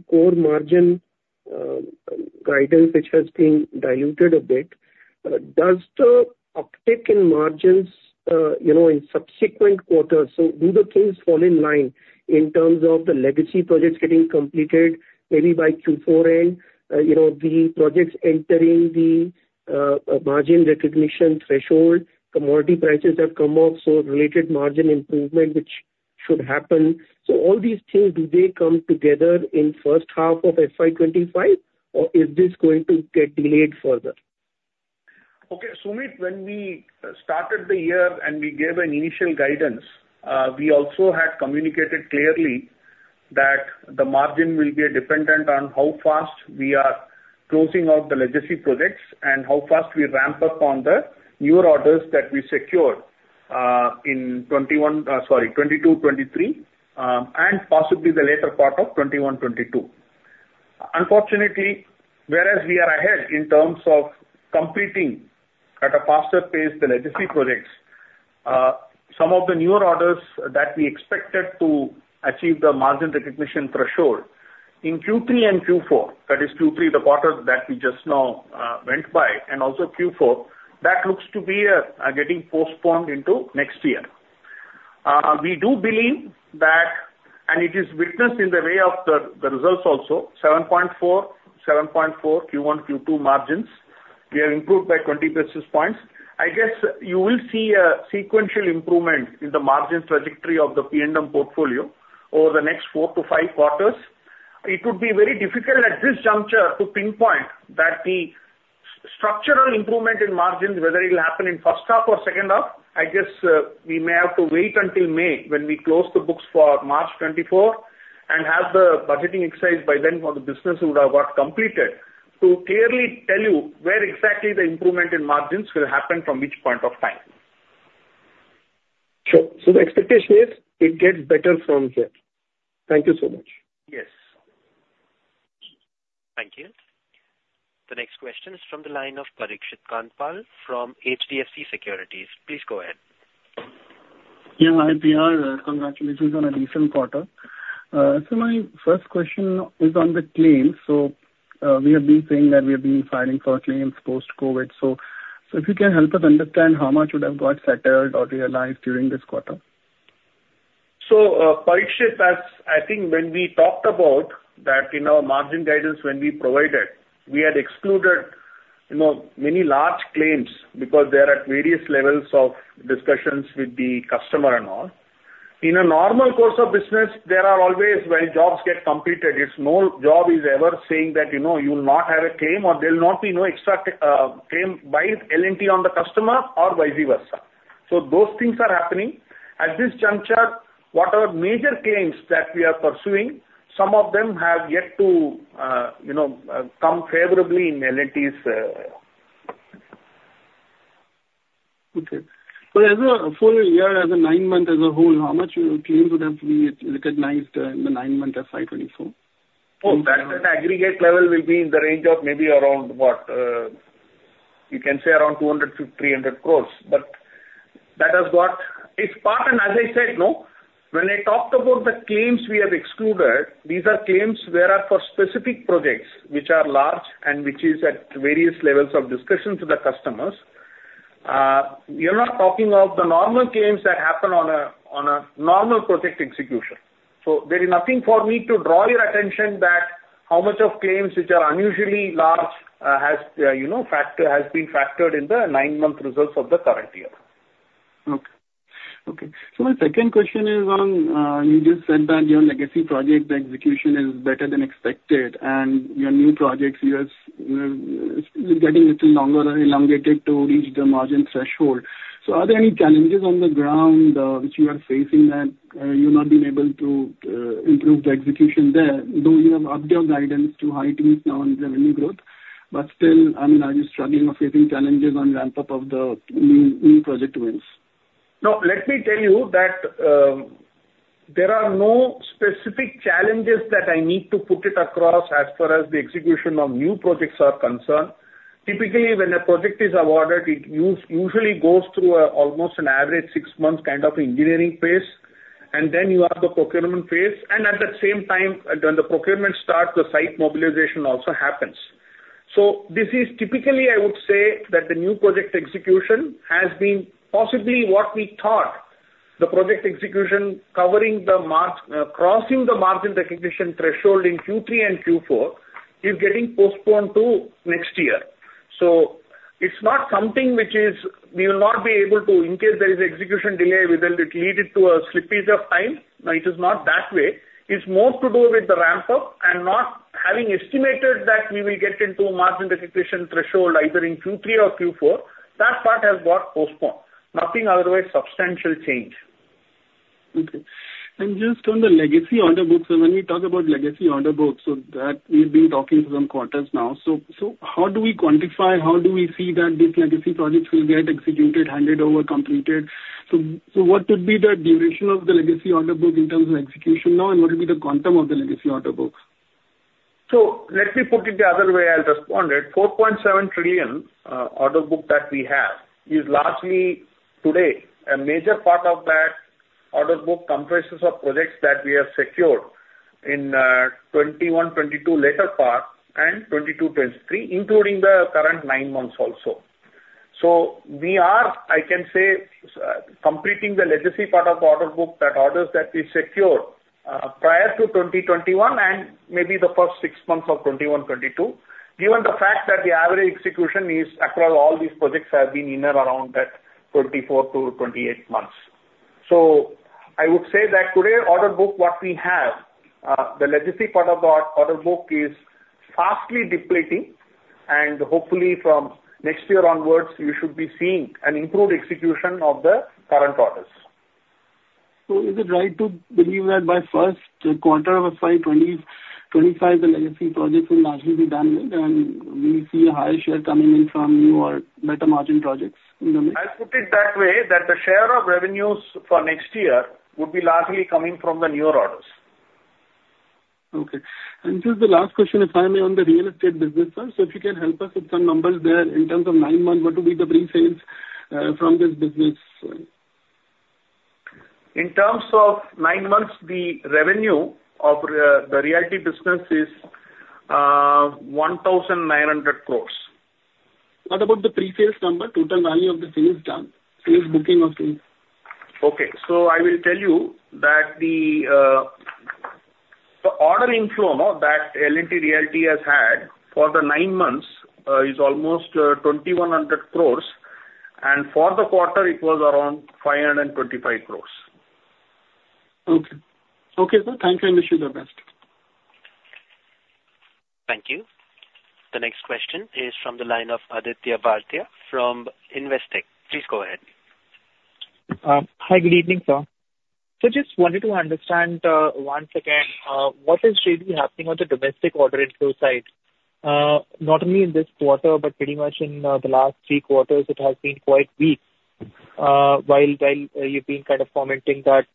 core margin, guidance, which has been diluted a bit, does the uptick in margins, you know, in subsequent quarters, so do the things fall in line in terms of the legacy projects getting completed, maybe by Q4 end, you know, the projects entering the, margin recognition threshold, commodity prices have come off, so related margin improvement, which should happen. So all these things, do they come together in first half of FY 25, or is this going to get delayed further? Okay, Sumit, when we started the year and we gave an initial guidance, we also had communicated clearly that the margin will be dependent on how fast we are closing out the legacy projects and how fast we ramp up on the newer orders that we secured in 2021, sorry, '22- 23, and possibly the latter part of '21-22. Unfortunately, whereas we are ahead in terms of completing at a faster pace the legacy projects, some of the newer orders that we expected to achieve the margin recognition threshold in Q3 and Q4, that is Q3, the quarter that we just now went by, and also Q4, that looks to be getting postponed into next year. We do believe that, and it is witnessed in the way of the results also, 7.4, 7.4, Q1, Q2 margins, we are improved by 20 basis points. I guess you will see a sequential improvement in the margin trajectory of the P&M portfolio over the next 4-5 quarters. It would be very difficult at this juncture to pinpoint that the structural improvement in margins, whether it will happen in first half or second half. I guess, we may have to wait until May, when we close the books for March 2024, and have the budgeting exercise by then for the business would have got completed, to clearly tell you where exactly the improvement in margins will happen from which point of time. Sure. So the expectation is, it gets better from here. Thank you so much. Yes. Thank you. The next question is from the line of Parikshit Kandpal from HDFC Securities. Please go ahead. Yeah, hi, P.R.. Congratulations on a decent quarter. So, my first question is on the claims. So, we have been saying that we have been filing for claims post-COVID. So, if you can help us understand how much would have got settled or realized during this quarter? So, Parikshit, as I think when we talked about that in our margin guidance when we provided, we had excluded, you know, many large claims because they are at various levels of discussions with the customer and all. In a normal course of business, there are always, when jobs get completed, it's no job is ever saying that, you know, you will not have a claim or there'll not be no extra, claim by L&T on the customer or vice versa. So those things are happening. At this juncture, what are major claims that we are pursuing, some of them have yet to, you know, come favorably in L&T's. Okay. But as a full year, as a nine-month as a whole, how much claims would have been recognized in the nine months of FY '24? Oh, that, at aggregate level will be in the range of maybe around what? You can say around 200 crore-300 crore, but that has got its part, and as I said, no, when I talked about the claims we have excluded, these are claims where are for specific projects which are large and which is at various levels of discussions with the customers. You're not talking of the normal claims that happen on a normal project execution. So there is nothing for me to draw your attention back, how much of claims which are unusually large, you know, has been factored in the nine-month results of the current year. Okay. Okay, so my second question is on, you just said that your legacy project, the execution is better than expected, and your new projects, you are, getting little longer or elongated to reach the margin threshold. So are there any challenges on the ground, which you are facing that, you're not been able to, improve the execution there, though you have upped your guidance to high-teens now on the revenue growth, but still, I mean, are you struggling or facing challenges on ramp-up of the new, new project wins? No, let me tell you that, there are no specific challenges that I need to put it across as far as the execution of new projects are concerned. Typically, when a project is awarded, it usually goes through, almost an average six months kind of engineering phase, and then you have the procurement phase, and at the same time, when the procurement starts, the site mobilization also happens. So this is typically, I would say, that the new project execution has been possibly what we thought the project execution covering the crossing the margin recognition threshold in Q3 and Q4, is getting postponed to next year. So it's not something which is we will not be able to, in case there is execution delay, whether it lead it to a slippage of time. No, it is not that way. It's more to do with the ramp-up and not having estimated that we will get into margin recognition threshold either in Q3 or Q4. That part has got postponed. Nothing otherwise substantial change. Okay. Just on the legacy order book, when we talk about legacy order book, that we've been talking some quarters now. So, how do we quantify, how do we see that these legacy projects will get executed, handed over, completed? So, what would be the duration of the legacy order book in terms of execution now, and what would be the quantum of the legacy order books? So let me put it the other way, I'll respond it. At 4.7 trillion order book that we have is largely today a major part of that order book comprises of projects that we have secured in 2021, 2022 later part and 2022, 2023, including the current nine months also. So we are, I can say, completing the legacy part of the order book, that orders that we secured prior to 2021 and maybe the first six months of 2022, given the fact that the average execution is across all these projects have been in and around that 24-28 months. So I would say that today, order book what we have, the legacy part of our order book is fast depleting, and hopefully from next year onwards, you should be seeing an improved execution of the current orders. Is it right to believe that by first quarter of FY 2025, the legacy projects will largely be done with, and we see a higher share coming in from new or better margin projects in the mix? I'll put it that way, that the share of revenues for next year would be largely coming from the newer orders. Okay. And this is the last question, if I may, on the real estate business. So if you can help us with some numbers there in terms of nine months, what would be the pre-sales from this business? In terms of nine months, the revenue of the Realty business is 1,900 crore. What about the pre-sales number? Total value of the sales done, sales booking of the... Okay, so I will tell you that the order inflow that L&T Realty has had for the nine months is almost 2,100 crore, and for the quarter it was around 525 crore. Okay. Okay, sir. Thank you, and wish you the best. Thank you. The next question is from the line of Aditya Bhartia from Investec. Please go ahead. Hi, good evening, sir. So just wanted to understand once again what is really happening on the domestic order inflow side? Not only in this quarter, but pretty much in the last three quarters, it has been quite weak, while you've been kind of commenting that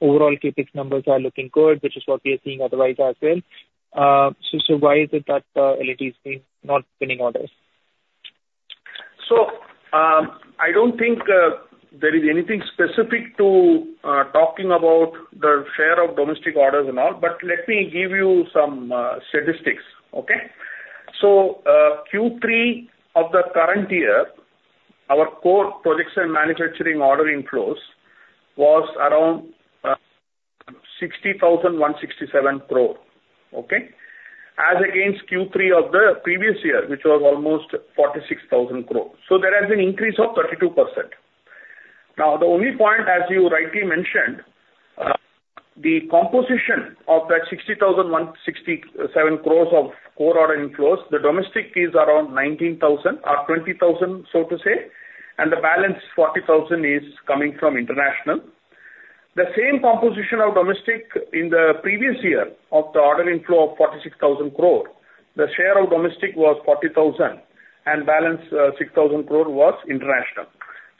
overall CapEx numbers are looking good, which is what we are seeing otherwise as well. So why is it that L&T is being not winning orders? So, I don't think there is anything specific to talking about the share of domestic orders and all, but let me give you some statistics, okay? So, Q3 of the current year, our core Projects and Manufacturing order inflows was around 60,167 crore, okay? As against Q3 of the previous year, which was almost 46,000 crore. So there has been increase of 32%. Now, the only point, as you rightly mentioned, the composition of that 60,167 crores of core order inflows, the domestic is around 19,000 or 20,000, so to say, and the balance 40,000 is coming from international. The same composition of domestic in the previous year of the order inflow of 46,000 crore, the share of domestic was 40,000, and balance 6,000 crore was international.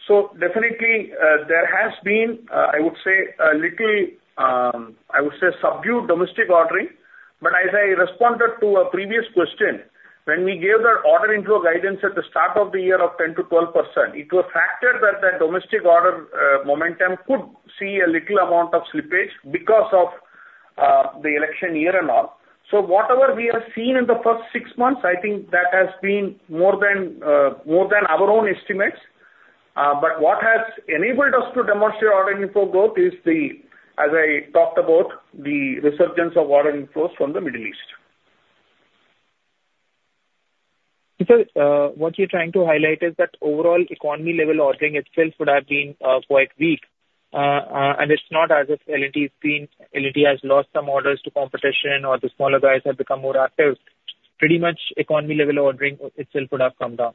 So definitely, there has been, I would say, a little, I would say subdued domestic ordering. But as I responded to a previous question, when we gave the order inflow guidance at the start of the year of 10%-12%, it was factored that the domestic order momentum could see a little amount of slippage because of the election year and all. So whatever we have seen in the first six months, I think that has been more than, more than our own estimates. But what has enabled us to demonstrate order inflow growth is the, as I talked about, the resurgence of order inflows from the Middle East. So, what you're trying to highlight is that overall economy level ordering itself would have been, and it's not as if L&T has lost some orders to competition or the smaller guys have become more active. Pretty much economy level ordering itself would have come down.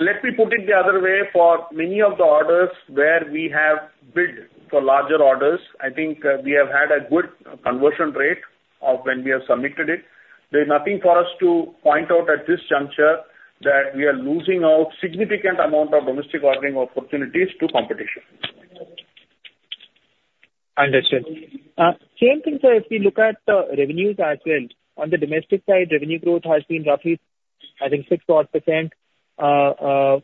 Let me put it the other way. For many of the orders where we have bid for larger orders, I think we have had a good conversion rate of when we have submitted it. There's nothing for us to point out at this juncture that we are losing out significant amount of domestic ordering opportunities to competition. Understood. Same thing, sir, if we look at the revenues as well, on the domestic side, revenue growth has been roughly, I think, 6% odd, for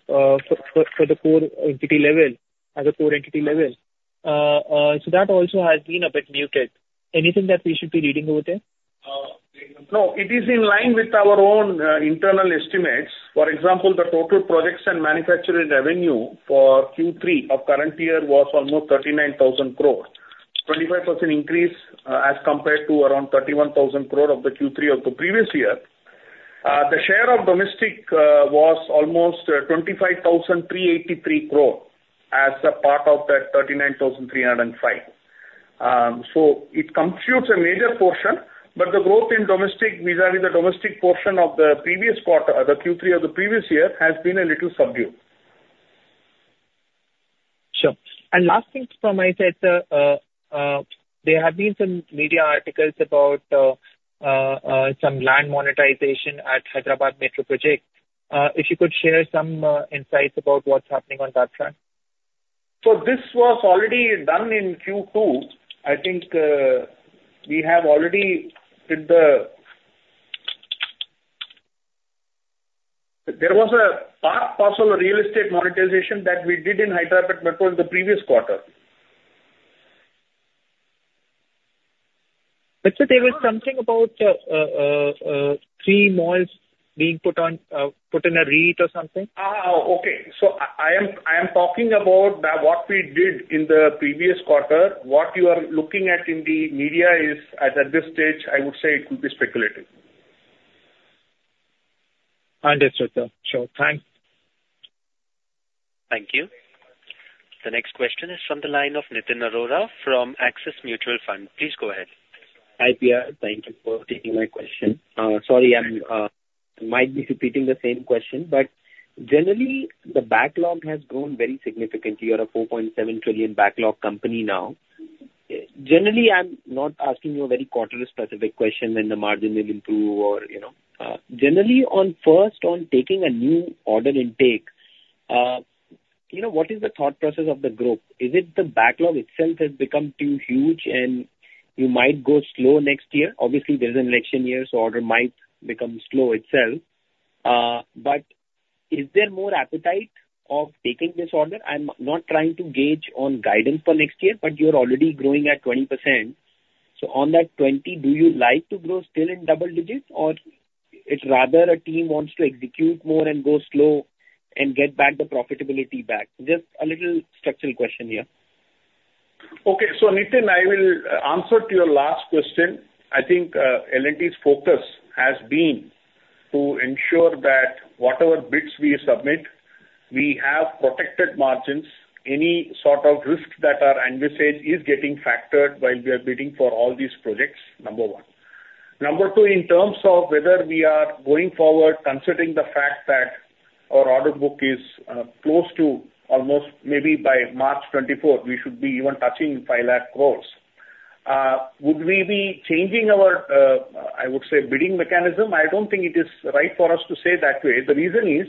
the core entity level, at the core entity level. So that also has been a bit muted. Anything that we should be reading over there? No, it is in line with our own internal estimates. For example, the total Projects and Manufacturing revenue for Q3 of current year was almost 39,000 crore, 25% increase, as compared to around 31,000 crore of the Q3 of the previous year. The share of domestic was almost 25,383 crore as a part of that 39,305 crore. So it constitutes a major portion, but the growth in domestic vis-à-vis the domestic portion of the previous quarter, the Q3 of the previous year, has been a little subdued. Sure. And last thing from my side, sir, there have been some media articles about some land monetization at Hyderabad Metro project. If you could share some insights about what's happening on that front. So this was already done in Q2. I think, we have already did the- there was a part parcel of real estate monetization that we did in Hyderabad Metro in the previous quarter. But sir, there was something about three malls being put on, put in a REIT or something. Ah, okay. So I am talking about what we did in the previous quarter. What you are looking at in the media is, at this stage, I would say it will be speculative. Understood, sir. Sure. Thanks. Thank you. The next question is from the line of Nitin Arora from Axis Mutual Fund. Please go ahead. Hi, P.R.. Thank you for taking my question. Sorry, I might be repeating the same question, but generally, the backlog has grown very significantly. You're a 4.7 trillion backlog company now. Generally, I'm not asking you a very quarter-specific question, when the margin will improve or, you know. Generally, on first on taking a new order intake, you know, what is the thought process of the group? Is it the backlog itself has become too huge and you might go slow next year? Obviously, there's an election year, so order might become slow itself. But is there more appetite of taking this order? I'm not trying to gauge on guidance for next year, but you're already growing at 20%. So on that 20, do you like to grow still in double digits, or it's rather a team wants to execute more and go slow and get back the profitability back? Just a little structural question here. Okay, so Nitin, I will answer to your last question. I think, L&T's focus has been to ensure that whatever bids we submit, we have protected margins. Any sort of risk that are envisaged is getting factored while we are bidding for all these projects, number one. Number two, in terms of whether we are going forward, considering the fact that our order book is close to almost maybe by March 2024, we should be even touching 5 lakh crore. Would we be changing our, I would say, bidding mechanism? I don't think it is right for us to say that way. The reason is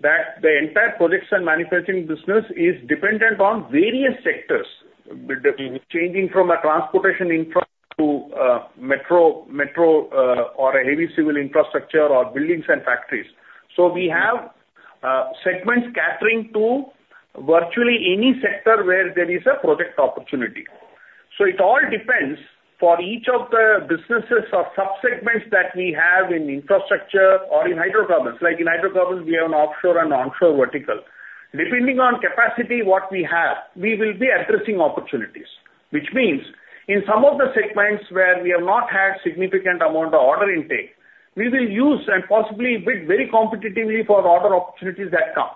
that the entire Projects and Manufacturing business is dependent on various sectors, changing from a Transportation Infra to metro, or a Heavy Civil Infrastructure, or Buildings and Factories. So we have segments catering to virtually any sector where there is a project opportunity. So it all depends for each of the businesses or subsegments that we have in Infrastructure or in Hydrocarbons. Like, in Hydrocarbons we have an offshore and onshore vertical. Depending on capacity, what we have, we will be addressing opportunities, which means in some of the segments where we have not had significant amount of order intake, we will use and possibly bid very competitively for order opportunities that come.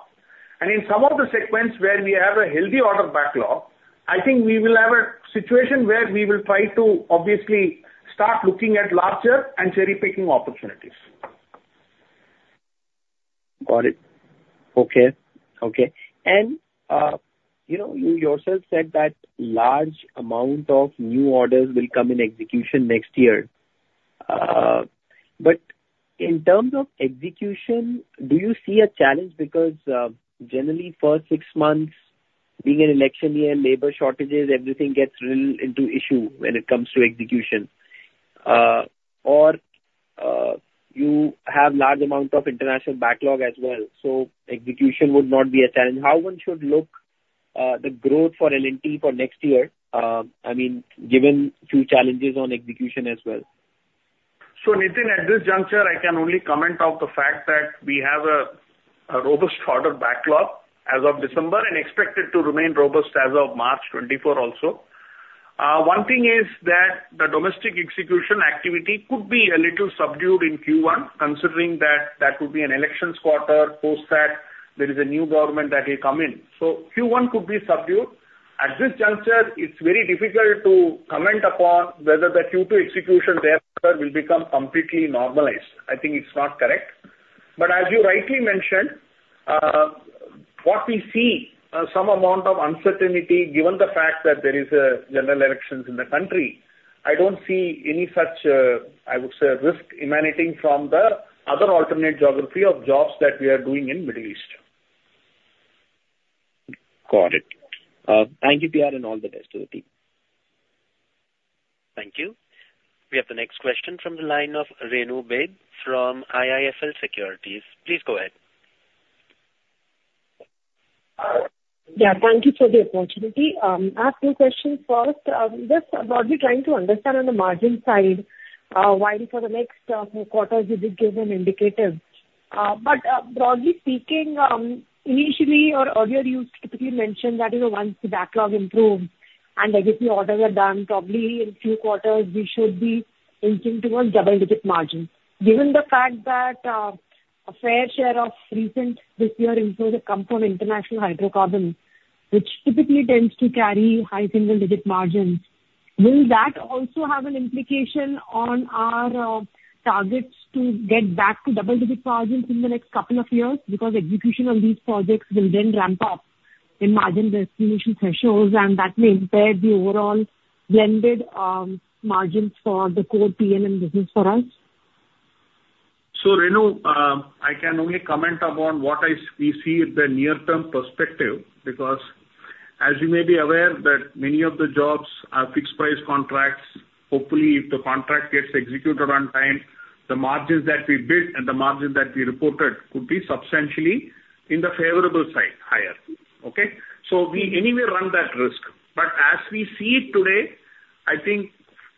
And in some of the segments where we have a healthy order backlog, I think we will have a situation where we will try to obviously start looking at larger and cherry-picking opportunities. Got it. Okay. Okay. And, you know, you yourself said that large amount of new orders will come in execution next year. But in terms of execution, do you see a challenge? Because, generally, first six months being an election year, labor shortages, everything gets drilled into issue when it comes to execution. Or, you have large amount of international backlog as well, so execution would not be a challenge. How one should look, the growth for L&T for next year, I mean, given few challenges on execution as well? Nitin, at this juncture, I can only comment on the fact that we have a robust order backlog as of December, and expected to remain robust as of March 2024 also. One thing is that the domestic execution activity could be a little subdued in Q1, considering that would be an elections quarter, post that there is a new government that will come in. So Q1 could be subdued. At this juncture, it's very difficult to comment upon whether the Q2 execution thereafter will become completely normalized. I think it's not correct. But as you rightly mentioned, what we see some amount of uncertainty, given the fact that there is general elections in the country, I don't see any such, I would say, risk emanating from the other alternate geography of jobs that we are doing in Middle East. Got it. Thank you, P.R., and all the best to the team. Thank you. We have the next question from the line of Renu Baid from IIFL Securities. Please go ahead. Yeah, thank you for the opportunity. I have two questions. First, just what we're trying to understand on the margin side, while for the next few quarters, you did give an indicative. But, broadly speaking, initially or earlier, you typically mentioned that, you know, once the backlog improves and the existing orders are done, probably in few quarters we should be inching towards double-digit margins. Given the fact that a fair share of recent this year inflow have come from international Hydrocarbons, which typically tends to carry high single-digit margins, will that also have an implication on our targets to get back to double-digit margins in the next couple of years? Because execution on these projects will then ramp up in margin destination thresholds, and that may impair the overall blended margins for the core P&M business for us. So, Renu, I can only comment upon what we see the near-term perspective, because as you may be aware that many of the jobs are fixed price contracts. Hopefully, if the contract gets executed on time, the margins that we bid and the margins that we reported could be substantially in the favorable side, higher. Okay? So we anyway run that risk. But as we see it today, I think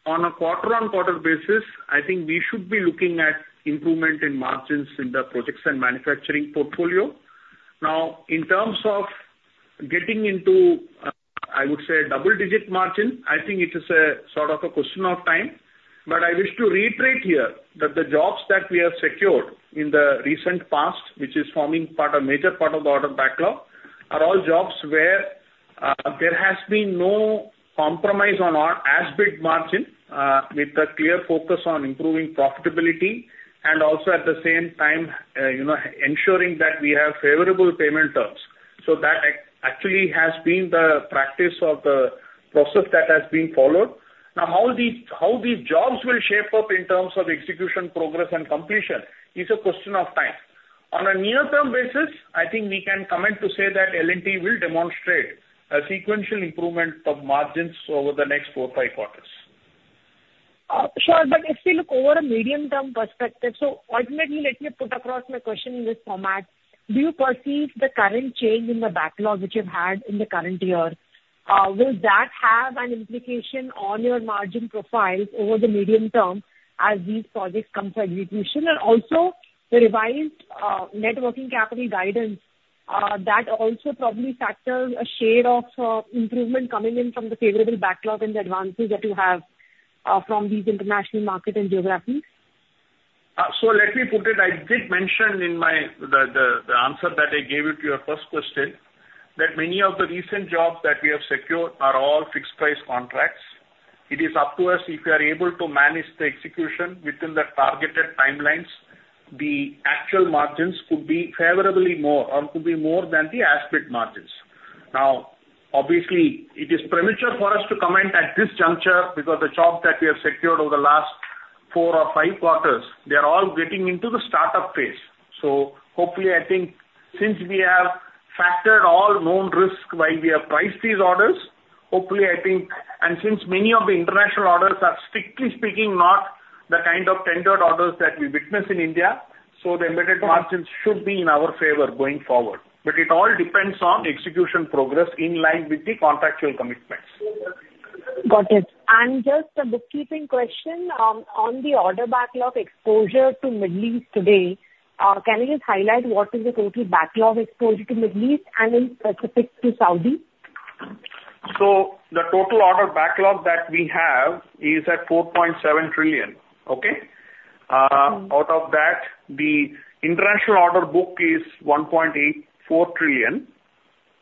on a quarter-on-quarter basis, I think we should be looking at improvement in margins in the Projects and Manufacturing portfolio. Now, in terms of getting into, I would say, double-digit margin, I think it is a sort of a question of time. But I wish to reiterate here that the jobs that we have secured in the recent past, which is forming part, a major part of the order backlog, are all jobs where there has been no compromise on our as-bid margin, with a clear focus on improving profitability, and also at the same time, you know, ensuring that we have favorable payment terms. So that actually has been the practice of the process that has been followed. Now, how these jobs will shape up in terms of execution, progress, and completion is a question of time. On a near-term basis, I think we can comment to say that L&T will demonstrate a sequential improvement of margins over the next four, five quarters. Sure, but if we look over a medium-term perspective, so ultimately, let me put across my question in this format: Do you perceive the current change in the backlog which you've had in the current year, will that have an implication on your margin profiles over the medium term as these projects come for execution? And also, the revised net working capital guidance- that also probably factors a shade of improvement coming in from the favorable backlog and the advances that you have from these international market and geographies? So let me put it, I did mention in my the answer that I gave to your first question, that many of the recent jobs that we have secured are all fixed price contracts. It is up to us if we are able to manage the execution within the targeted timelines, the actual margins could be favorably more or could be more than the as-bid margins. Now, obviously, it is premature for us to comment at this juncture because the jobs that we have secured over the last four or five quarters, they are all getting into the startup phase. So hopefully, I think since we have factored all known risk while we have priced these orders, hopefully, I think. And since many of the international orders are strictly speaking, not the kind of tendered orders that we witness in India, so the embedded margins should be in our favor going forward. But it all depends on execution progress in line with the contractual commitments. Got it. And just a bookkeeping question, on the order backlog exposure to Middle East today, can you just highlight what is the total backlog exposure to Middle East and in specific to Saudi? The total order backlog that we have is at 4.7 trillion, okay? Out of that, the international order book is 1.84 trillion,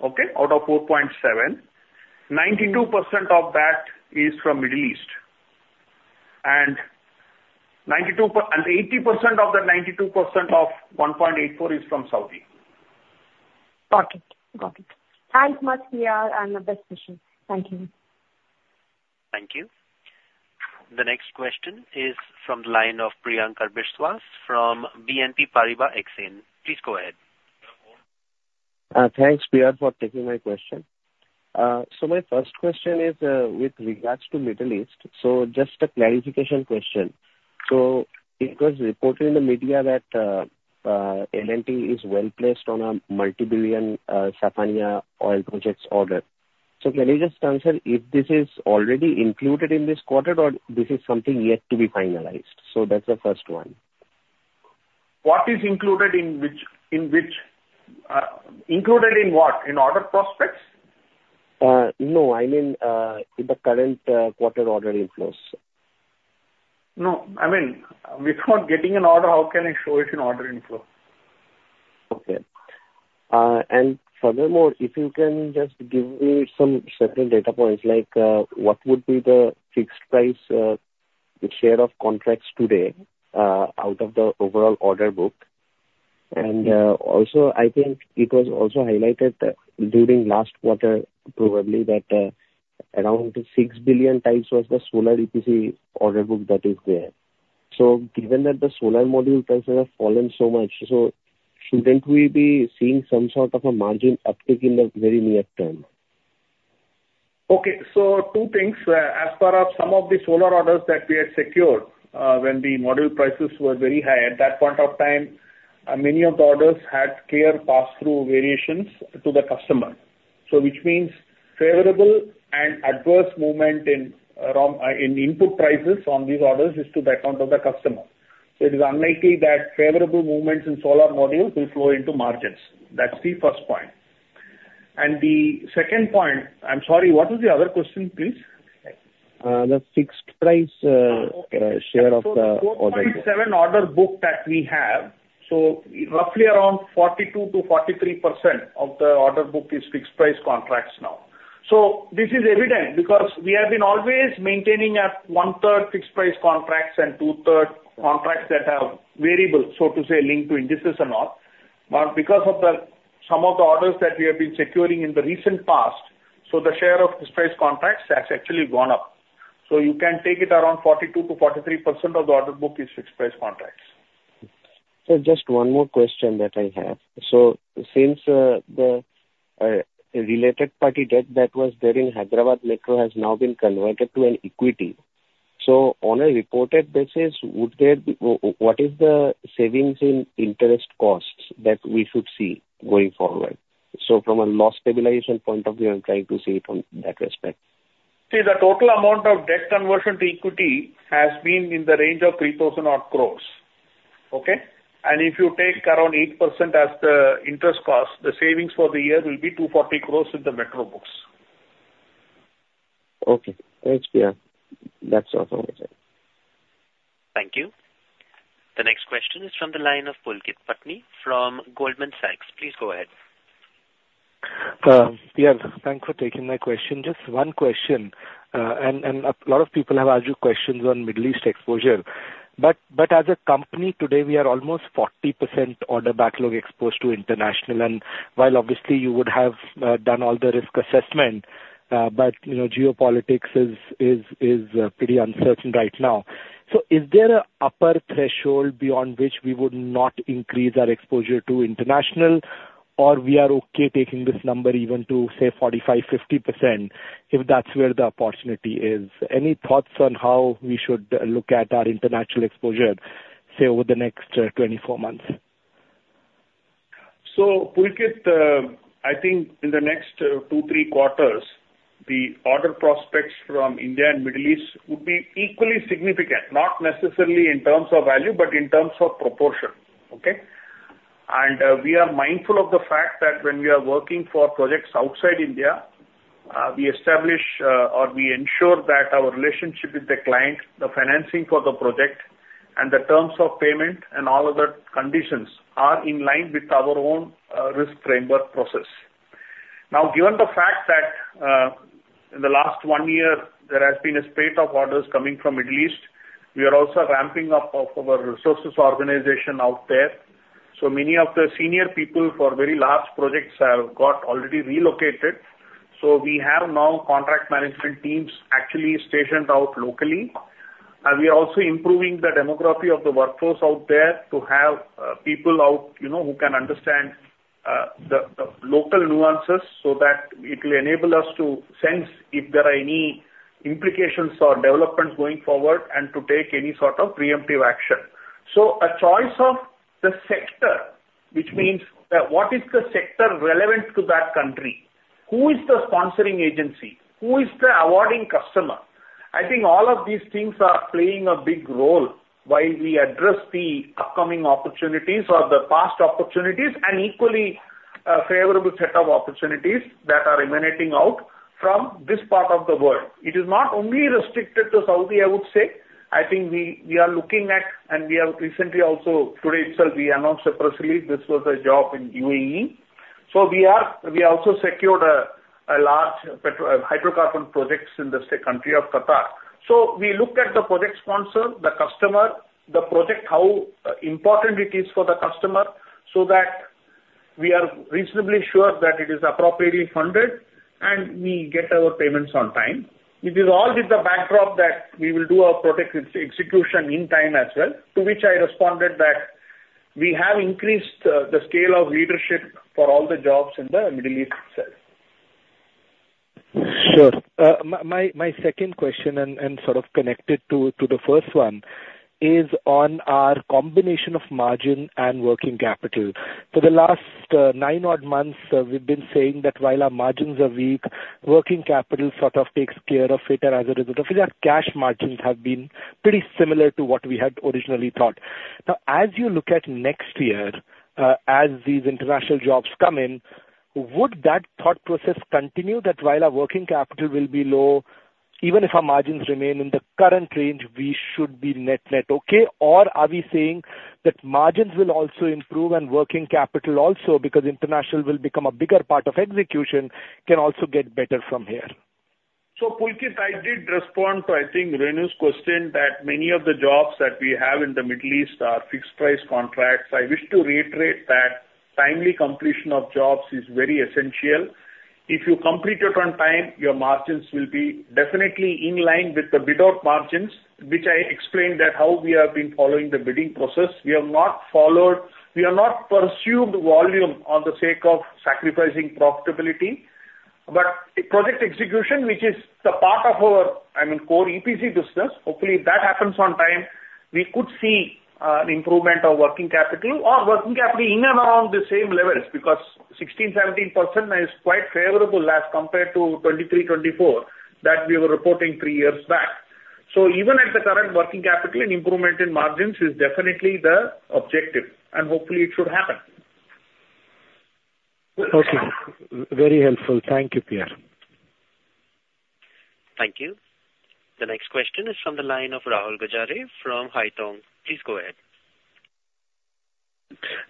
okay? Out of 4.7. 92% of that is from Middle East, and eighty percent of the 92% of 1.84 is from Saudi. Got it. Got it. Thanks much, P.R., and best wishes. Thank you. Thank you. The next question is from the line of Priyankar Biswas from BNP Paribas Exane. Please go ahead. Thanks, P.R., for taking my question. My first question is with regards to Middle East. Just a clarification question. It was reported in the media that L&T is well-placed on a multi-billion Safaniya oil projects order. Can you just confirm if this is already included in this quarter or this is something yet to be finalized? That's the first one. What is included in which? Included in what? In order prospects? No. I mean, in the current quarter order inflows. No, I mean, without getting an order, how can I show it in order inflow? Okay. Furthermore, if you can just give me some certain data points, like, what would be the fixed price share of contracts today out of the overall order book? Also I think it was also highlighted during last quarter, probably, that around 6 billion was the solar EPC order book that is there. So given that the solar module prices have fallen so much, so shouldn't we be seeing some sort of a margin uptick in the very near term? Okay. So two things. As far as some of the solar orders that we had secured, when the module prices were very high, at that point of time, many of the orders had clear pass-through variations to the customer. So which means favorable and adverse movement in, around, in input prices on these orders is to the account of the customer. So it is unlikely that favorable movements in solar modules will flow into margins. That's the first point. And the second point- I'm sorry, what was the other question, please? The fixed price share of the order. So 4.7 trillion order book that we have, so roughly around 42%-43% of the order book is fixed price contracts now. So this is evident because we have been always maintaining a one-third fixed price contracts and two-thirds contracts that have variable, so to say, linked to indices and all. But because of some of the orders that we have been securing in the recent past, so the share of fixed price contracts has actually gone up. So you can take it around 42%-43% of the order book is fixed price contracts. So just one more question that I have. So since the related party debt that was there in Hyderabad Metro has now been converted to an equity, so on a reported basis, would there be... What is the savings in interest costs that we should see going forward? So from a loss stabilization point of view, I'm trying to see it from that respect. See, the total amount of debt conversion to equity has been in the range of 3,000-odd crore, okay? And if you take around 8% as the interest cost, the savings for the year will be 240 crore in the metro books. Okay. Thanks, P.R.. That's all from my side. Thank you. The next question is from the line of Pulkit Patni from Goldman Sachs. Please go ahead. P.R., thanks for taking my question. Just one question, and a lot of people have asked you questions on Middle East exposure. But as a company, today, we are almost 40% order backlog exposed to international. And while obviously you would have done all the risk assessment, but you know, geopolitics is pretty uncertain right now. So is there an upper threshold beyond which we would not increase our exposure to international, or we are okay taking this number even to, say, 45-50%, if that's where the opportunity is? Any thoughts on how we should look at our international exposure, say, over the next 24 months? So Pulkit, I think in the next two, three quarters. The order prospects from India and Middle East would be equally significant, not necessarily in terms of value, but in terms of proportion, okay? And we are mindful of the fact that when we are working for projects outside India, we establish or we ensure that our relationship with the client, the financing for the project, and the terms of payment and all other conditions are in line with our own risk framework process. Now, given the fact that in the last one year there has been a spate of orders coming from Middle East, we are also ramping up of our resources organization out there. So many of the senior people for very large projects have got already relocated. So we have now contract management teams actually stationed out locally, and we are also improving the demography of the workforce out there to have people out, you know, who can understand the local nuances so that it will enable us to sense if there are any implications or developments going forward, and to take any sort of preemptive action. A choice of the sector, which means what is the sector relevant to that country? Who is the sponsoring agency? Who is the awarding customer? I think all of these things are playing a big role while we address the upcoming opportunities or the past opportunities, and equally, a favorable set of opportunities that are emanating out from this part of the world. It is not only restricted to Saudi, I would say. I think we are looking at, and we have recently also, today itself, we announced a press release. This was a job in UAE. So we are. We also secured a large petrochemical hydrocarbon projects in the country of Qatar. So we look at the project sponsor, the customer, the project, how important it is for the customer, so that we are reasonably sure that it is appropriately funded and we get our payments on time. It is all with the backdrop that we will do our project execution in time as well, to which I responded that we have increased the scale of leadership for all the jobs in the Middle East itself. Sure. My second question, and sort of connected to the first one, is on our combination of margin and working capital. For the last nine odd months, we've been saying that while our margins are weak, working capital sort of takes care of it, and as a result of it, our cash margins have been pretty similar to what we had originally thought. Now, as you look at next year, as these international jobs come in, would that thought process continue, that while our working capital will be low, even if our margins remain in the current range, we should be net okay? Or are we saying that margins will also improve and working capital also, because international will become a bigger part of execution, can also get better from here? Pulkit, I did respond to, I think, Renu's question, that many of the jobs that we have in the Middle East are fixed price contracts. I wish to reiterate that timely completion of jobs is very essential. If you complete it on time, your margins will be definitely in line with the bid out margins, which I explained that how we have been following the bidding process. We have not pursued volume on the sake of sacrificing profitability, but the project execution, which is the part of our, I mean, core EPC business, hopefully, if that happens on time, we could see an improvement of working capital or working capital in and around the same levels, because 16%-17% is quite favorable as compared to 23%-24%, that we were reporting three years back. Even at the current working capital, an improvement in margins is definitely the objective, and hopefully it should happen. Okay. Very helpful. Thank you, P.R.. Thank you. The next question is from the line of Rahul Gajare from Haitong. Please go ahead.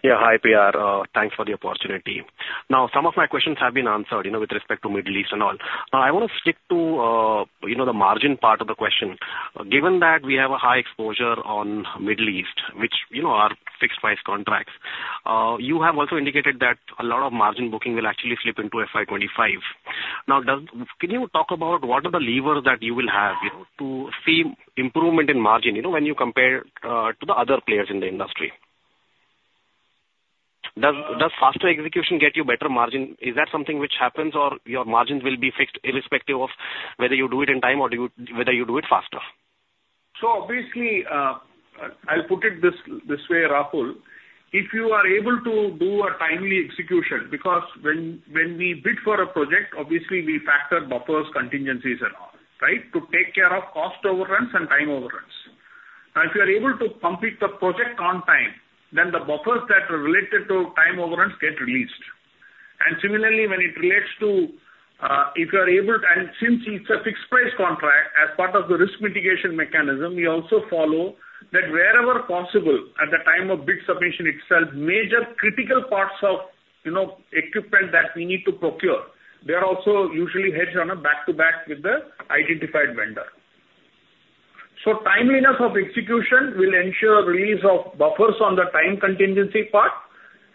Yeah, hi, P.R.. Thanks for the opportunity. Now, some of my questions have been answered, you know, with respect to Middle East and all, but I want to stick to, you know, the margin part of the question. Given that we have a high exposure on Middle East, which, you know, are fixed price contracts, you have also indicated that a lot of margin booking will actually slip into FY 2025. Now, can you talk about what are the levers that you will have, you know, to see improvement in margin, you know, when you compare to the other players in the industry? Does faster execution get you better margin? Is that something which happens, or your margins will be fixed irrespective of whether you do it in time or whether you do it faster? So obviously, I'll put it this way, Rahul: If you are able to do a timely execution, because when we bid for a project, obviously we factor buffers, contingencies and all, right? To take care of cost overruns and time overruns. Now, if you are able to complete the project on time, then the buffers that are related to time overruns get released. And similarly, when it relates to, if you are able to. And since it's a fixed price contract, as part of the risk mitigation mechanism, we also follow that wherever possible, at the time of bid submission itself, major critical parts of, you know, equipment that we need to procure, they are also usually hedged on a back-to-back with the identified vendor. Timeliness of execution will ensure release of buffers on the time contingency part,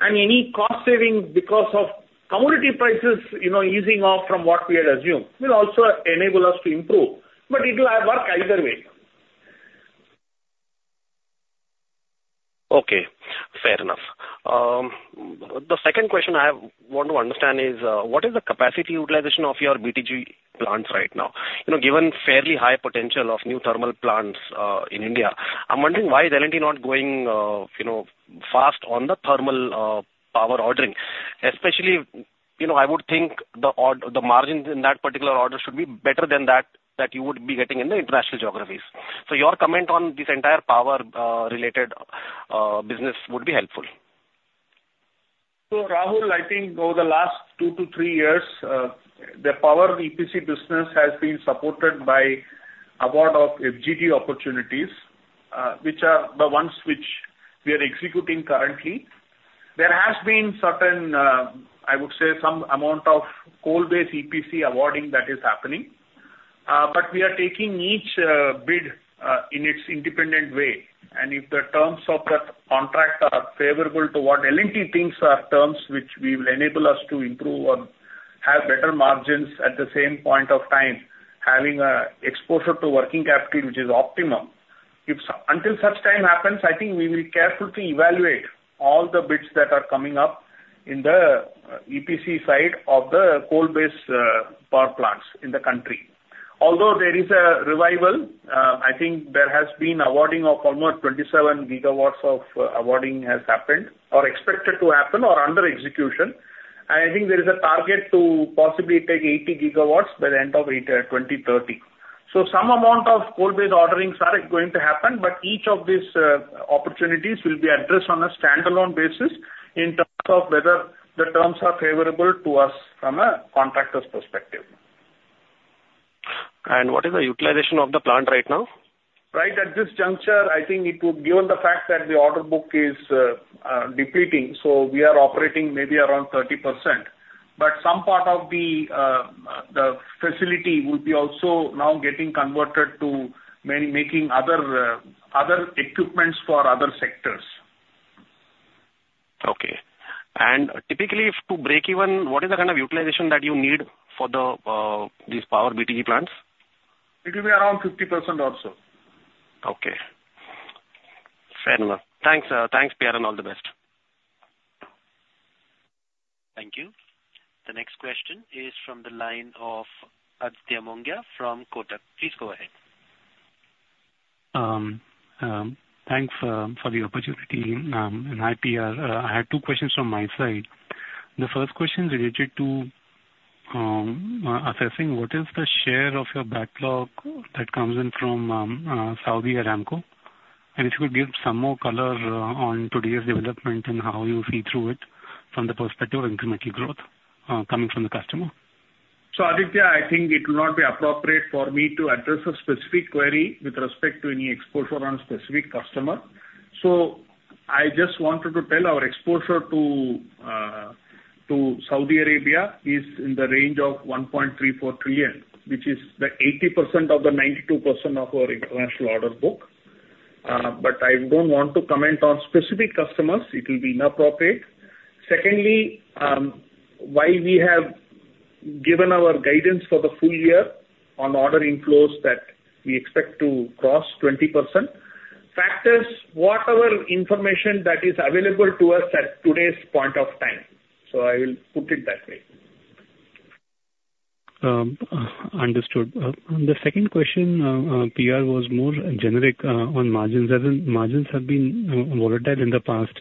and any cost saving because of commodity prices, you know, easing off from what we had assumed, will also enable us to improve. It will work either way. Okay, fair enough. The second question I have, want to understand is, what is the capacity utilization of your BTG plants right now? You know, given fairly high potential of new thermal plants, in India, I'm wondering why is L&T not going, you know, more fast on the thermal power ordering. Especially, you know, I would think the margins in that particular order should be better than that, that you would be getting in the international geographies. So your comment on this entire Power related business would be helpful. So, Rahul, I think over the last 2-3 years, the Power EPC business has been supported by award of FGD opportunities, which are the ones which we are executing currently. There has been certain, I would say, some amount of coal-based EPC awarding that is happening. But we are taking each bid in its independent way, and if the terms of the contract are favorable to what L&T thinks are terms which we will enable us to improve or have better margins at the same point of time, having a exposure to working capital, which is optimum. Until such time happens, I think we will carefully evaluate all the bids that are coming up in the EPC side of the coal-based power plants in the country. Although there is a revival, I think there has been awarding of almost 27 GW of awarding has happened or expected to happen or under execution. And I think there is a target to possibly take 80 GW by the end of 8, 2030. So some amount of coal-based orderings are going to happen, but each of these opportunities will be addressed on a standalone basis in terms of whether the terms are favorable to us from a contractor's perspective. What is the utilization of the plant right now? Right at this juncture, I think it would- given the fact that the order book is depleting, so we are operating maybe around 30%. But some part of the facility would be also now getting converted to making other equipment for other sectors. Okay. Typically, if to break even, what is the kind of utilization that you need for these power BTG plants? It will be around 50% or so. Okay. Fair enough. Thanks, thanks, P.R., and all the best. Thank you. The next question is from the line of Aditya Mongia from Kotak. Please go ahead. Thanks for the opportunity, and hi, P.R.. I had two questions from my side. The first question is related to assessing what is the share of your backlog that comes in from Saudi Aramco? And if you could give some more color on today's development and how you see through it from the perspective of incremental growth coming from the customer. So, Aditya, I think it will not be appropriate for me to address a specific query with respect to any exposure on specific customer. So I just wanted to tell our exposure to, to Saudi Arabia is in the range of 1.34 trillion, which is the 80% of the 92% of our international order book. But I don't want to comment on specific customers. It will be inappropriate. Secondly, why we have given our guidance for the full year on order inflows that we expect to cross 20%? Factors, whatever information that is available to us at today's point of time. So I will put it that way. Understood. The second question, P.R., was more generic on margins. As in, margins have been volatile in the past.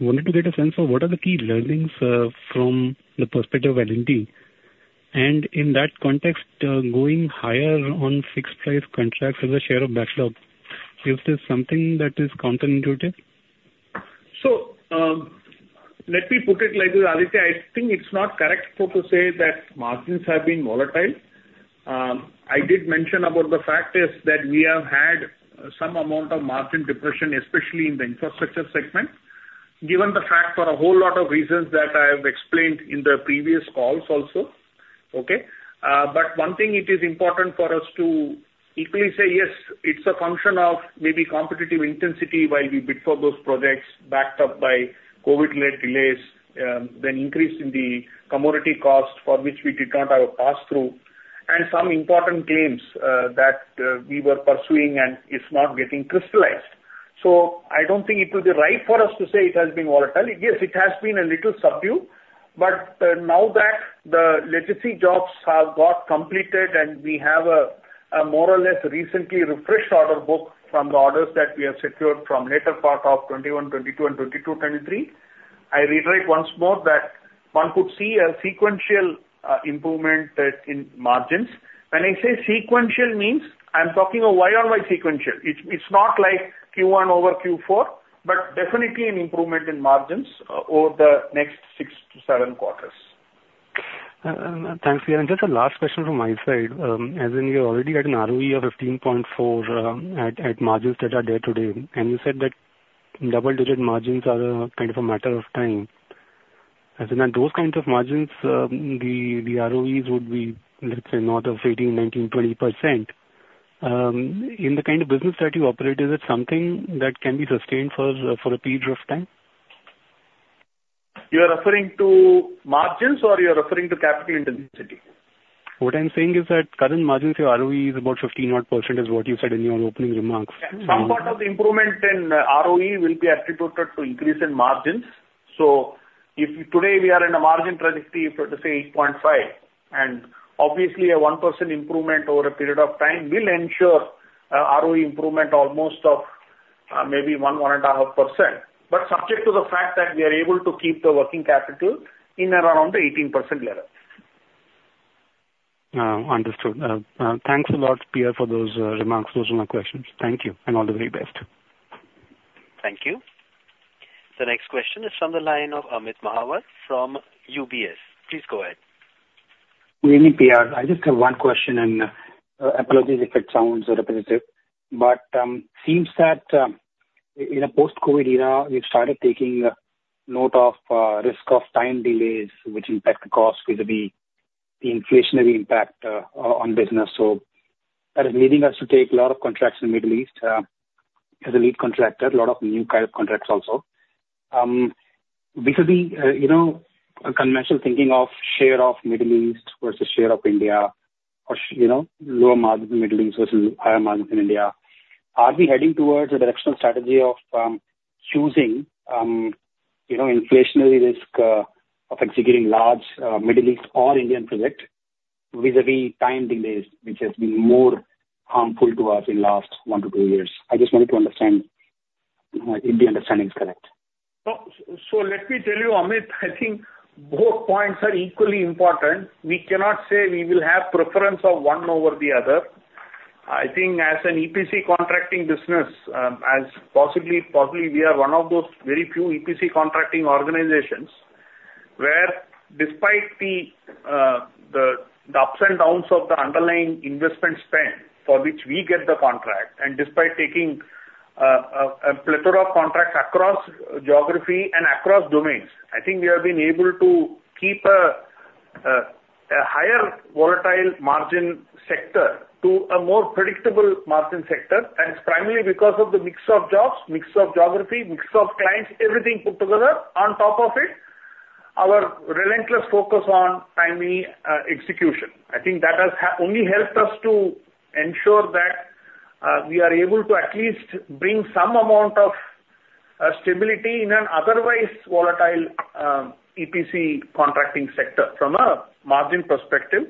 Wanted to get a sense of what are the key learnings from the perspective of L&T? And in that context, going higher on fixed price contracts as a share of backlog, is this something that is counterintuitive? So, let me put it like this, Aditya. I think it's not correct for to say that margins have been volatile. I did mention about the fact is that we have had some amount of margin depression, especially in the Infrastructure segment, given the fact for a whole lot of reasons that I have explained in the previous calls also. Okay? But one thing it is important for us to equally say, yes, it's a function of maybe competitive intensity while we bid for those projects, backed up by COVID-led delays, then increase in the commodity cost, for which we did not have a pass-through, and some important claims, that, we were pursuing and is not getting crystallized. So I don't think it will be right for us to say it has been volatile. Yes, it has been a little subdued, but, now that the legacy jobs have got completed and we have a, a more or less recently refreshed order book from the orders that we have secured from later part of 2021, 2022 and 2022, 2023, I reiterate once more that one could see a sequential, improvement at, in margins. When I say sequential, means I'm talking of YoY sequential. It's, it's not like Q1 over Q4, but definitely an improvement in margins over the next 6-7 quarters. Thanks, P.R.. Just a last question from my side. As in, you already had an ROE of 15.4, at margins that are there today, and you said that double-digit margins are a kind of a matter of time. As in, at those kinds of margins, the ROEs would be, let's say, north of 18, 19, 20%. In the kind of business that you operate, is it something that can be sustained for a period of time? You are referring to margins or you are referring to capital intensity? What I'm saying is that current margins, your ROE is about 15 odd percent, is what you said in your opening remarks. Yeah. Some part of the improvement in ROE will be attributed to increase in margins. If today we are in a margin trajectory, so to say, 8.5, and obviously a 1% improvement over a period of time will ensure ROE improvement almost of maybe 1, 1.5%, but subject to the fact that we are able to keep the working capital in and around the 18% level. Understood. Thanks a lot, P.R., for those remarks. Those are my questions. Thank you, and all the very best. Thank you. The next question is from the line of Amit Mahawar from UBS. Please go ahead. Good evening, P.R.. I just have one question, and apologies if it sounds repetitive, but seems that in a post-COVID era, we've started taking note of risk of time delays, which impact the cost, vis-a-vis the inflationary impact on business. So that is leading us to take a lot of contracts in Middle East as a lead contractor, a lot of new kind of contracts also. Because the, you know, conventional thinking of share of Middle East versus share of India, or you know, lower margin Middle East versus higher margin in India, are we heading towards a directional strategy of choosing, you know, inflationary risk of executing large Middle East or Indian project, vis-a-vis time delays, which has been more harmful to us in last one to two years? I just wanted to understand if the understanding is correct? Let me tell you, Amit, I think both points are equally important. We cannot say we will have preference of one over the other. I think as an EPC contracting business, as possibly we are one of those very few EPC contracting organizations, where despite the ups and downs of the underlying investment spend for which we get the contract, and despite taking a plethora of contracts across geography and across domains, I think we have been able to keep a higher volatile margin sector to a more predictable margin sector. And it's primarily because of the mix of jobs, mix of geography, mix of clients, everything put together. On top of it, our relentless focus on timely execution. I think that has only helped us to ensure that, we are able to at least bring some amount of, stability in an otherwise volatile, EPC contracting sector from a margin perspective.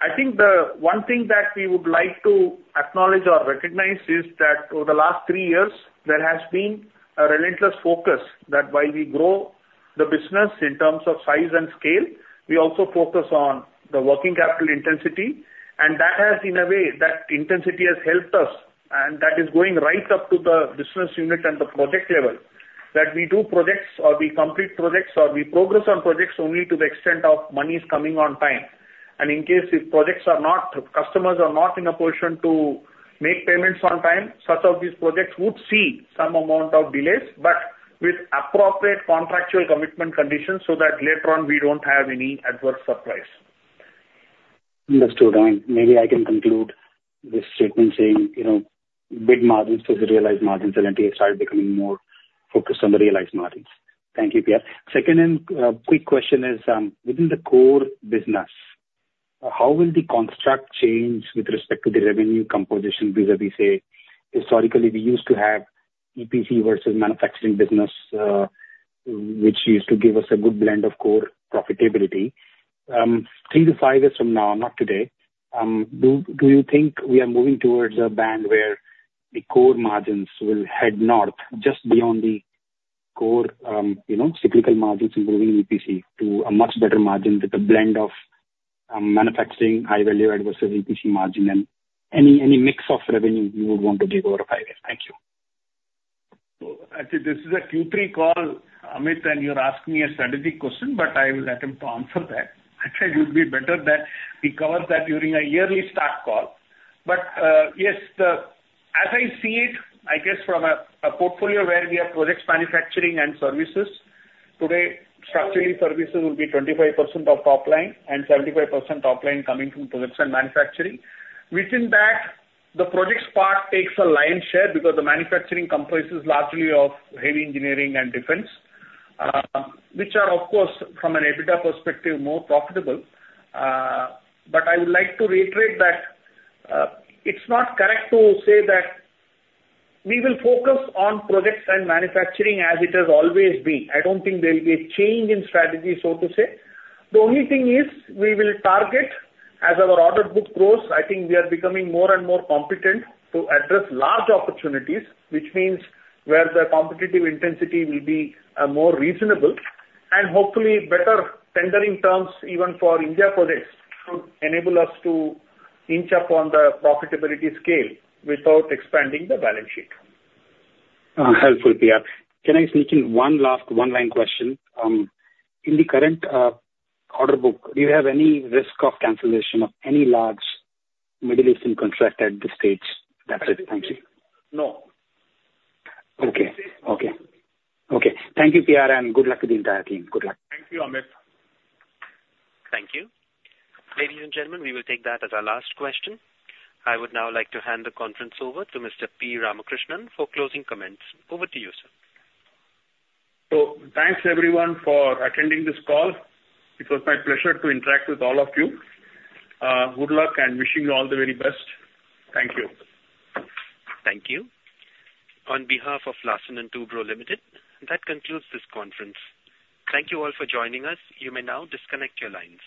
I think the one thing that we would like to acknowledge or recognize is that over the last three years, there has been a relentless focus that while we grow the business in terms of size and scale, we also focus on the working capital intensity. And that has, in a way, that intensity has helped us, and that is going right up to the business unit and the project level, that we do projects or we complete projects, or we progress on projects only to the extent of money is coming on time. In case customers are not in a position to make payments on time, such of these projects would see some amount of delays, but with appropriate contractual commitment conditions, so that later on we don't have any adverse surprise. Understood. I mean, maybe I can conclude this statement saying, you know, big margins is the realized margins, and L&T has started becoming more focused on the realized margins. Thank you, P.R.. Second and quick question is, within the core business, how will the construct change with respect to the revenue composition, vis-a-vis say, historically, we used to have EPC versus manufacturing business, which used to give us a good blend of core profitability. Three to five years from now, not today, do you think we are moving towards a band where the core margins will head north, just beyond the core, you know, cyclical margins, including EPC, to a much better margin with a blend of, manufacturing, high value added versus EPC margin, and any mix of revenue you would want to give over a 5-year? Thank you. So actually, this is a Q3 call, Amit, and you're asking me a strategic question, but I will attempt to answer that. I think it would be better that we cover that during a yearly strat call. But, yes, the—As I see it, I guess from a portfolio where we have Projects, Manufacturing, and Services, today, structurally, services will be 25% of top line and 75% top line coming from Projects and Manufacturing. Within that, the Projects part takes a lion's share because the Manufacturing comprises largely Heavy Engineering and Defence, which are, of course, from an EBITDA perspective, more profitable. But I would like to reiterate that, it's not correct to say that we will focus on Projects and Manufacturing as it has always been. I don't think there will be a change in strategy, so to say. The only thing is, we will target as our order book grows, I think we are becoming more and more competent to address large opportunities, which means where the competitive intensity will be, more reasonable, and hopefully better tendering terms, even for India projects, should enable us to inch up on the profitability scale without expanding the balance sheet. Helpful, P.R.. Can I sneak in one last one-line question? In the current order book, do you have any risk of cancellation of any large Middle Eastern contract at this stage? That's it. Thank you. No. Okay. Okay. Okay. Thank you, P.R., and good luck to the entire team. Good luck. Thank you, Amit. Thank you. Ladies and gentlemen, we will take that as our last question. I would now like to hand the conference over to Mr. P. Ramakrishnan for closing comments. Over to you, sir. Thanks everyone for attending this call. It was my pleasure to interact with all of you. Good luck and wishing you all the very best. Thank you. Thank you. On behalf of Larsen & Toubro Limited, that concludes this conference. Thank you all for joining us. You may now disconnect your lines.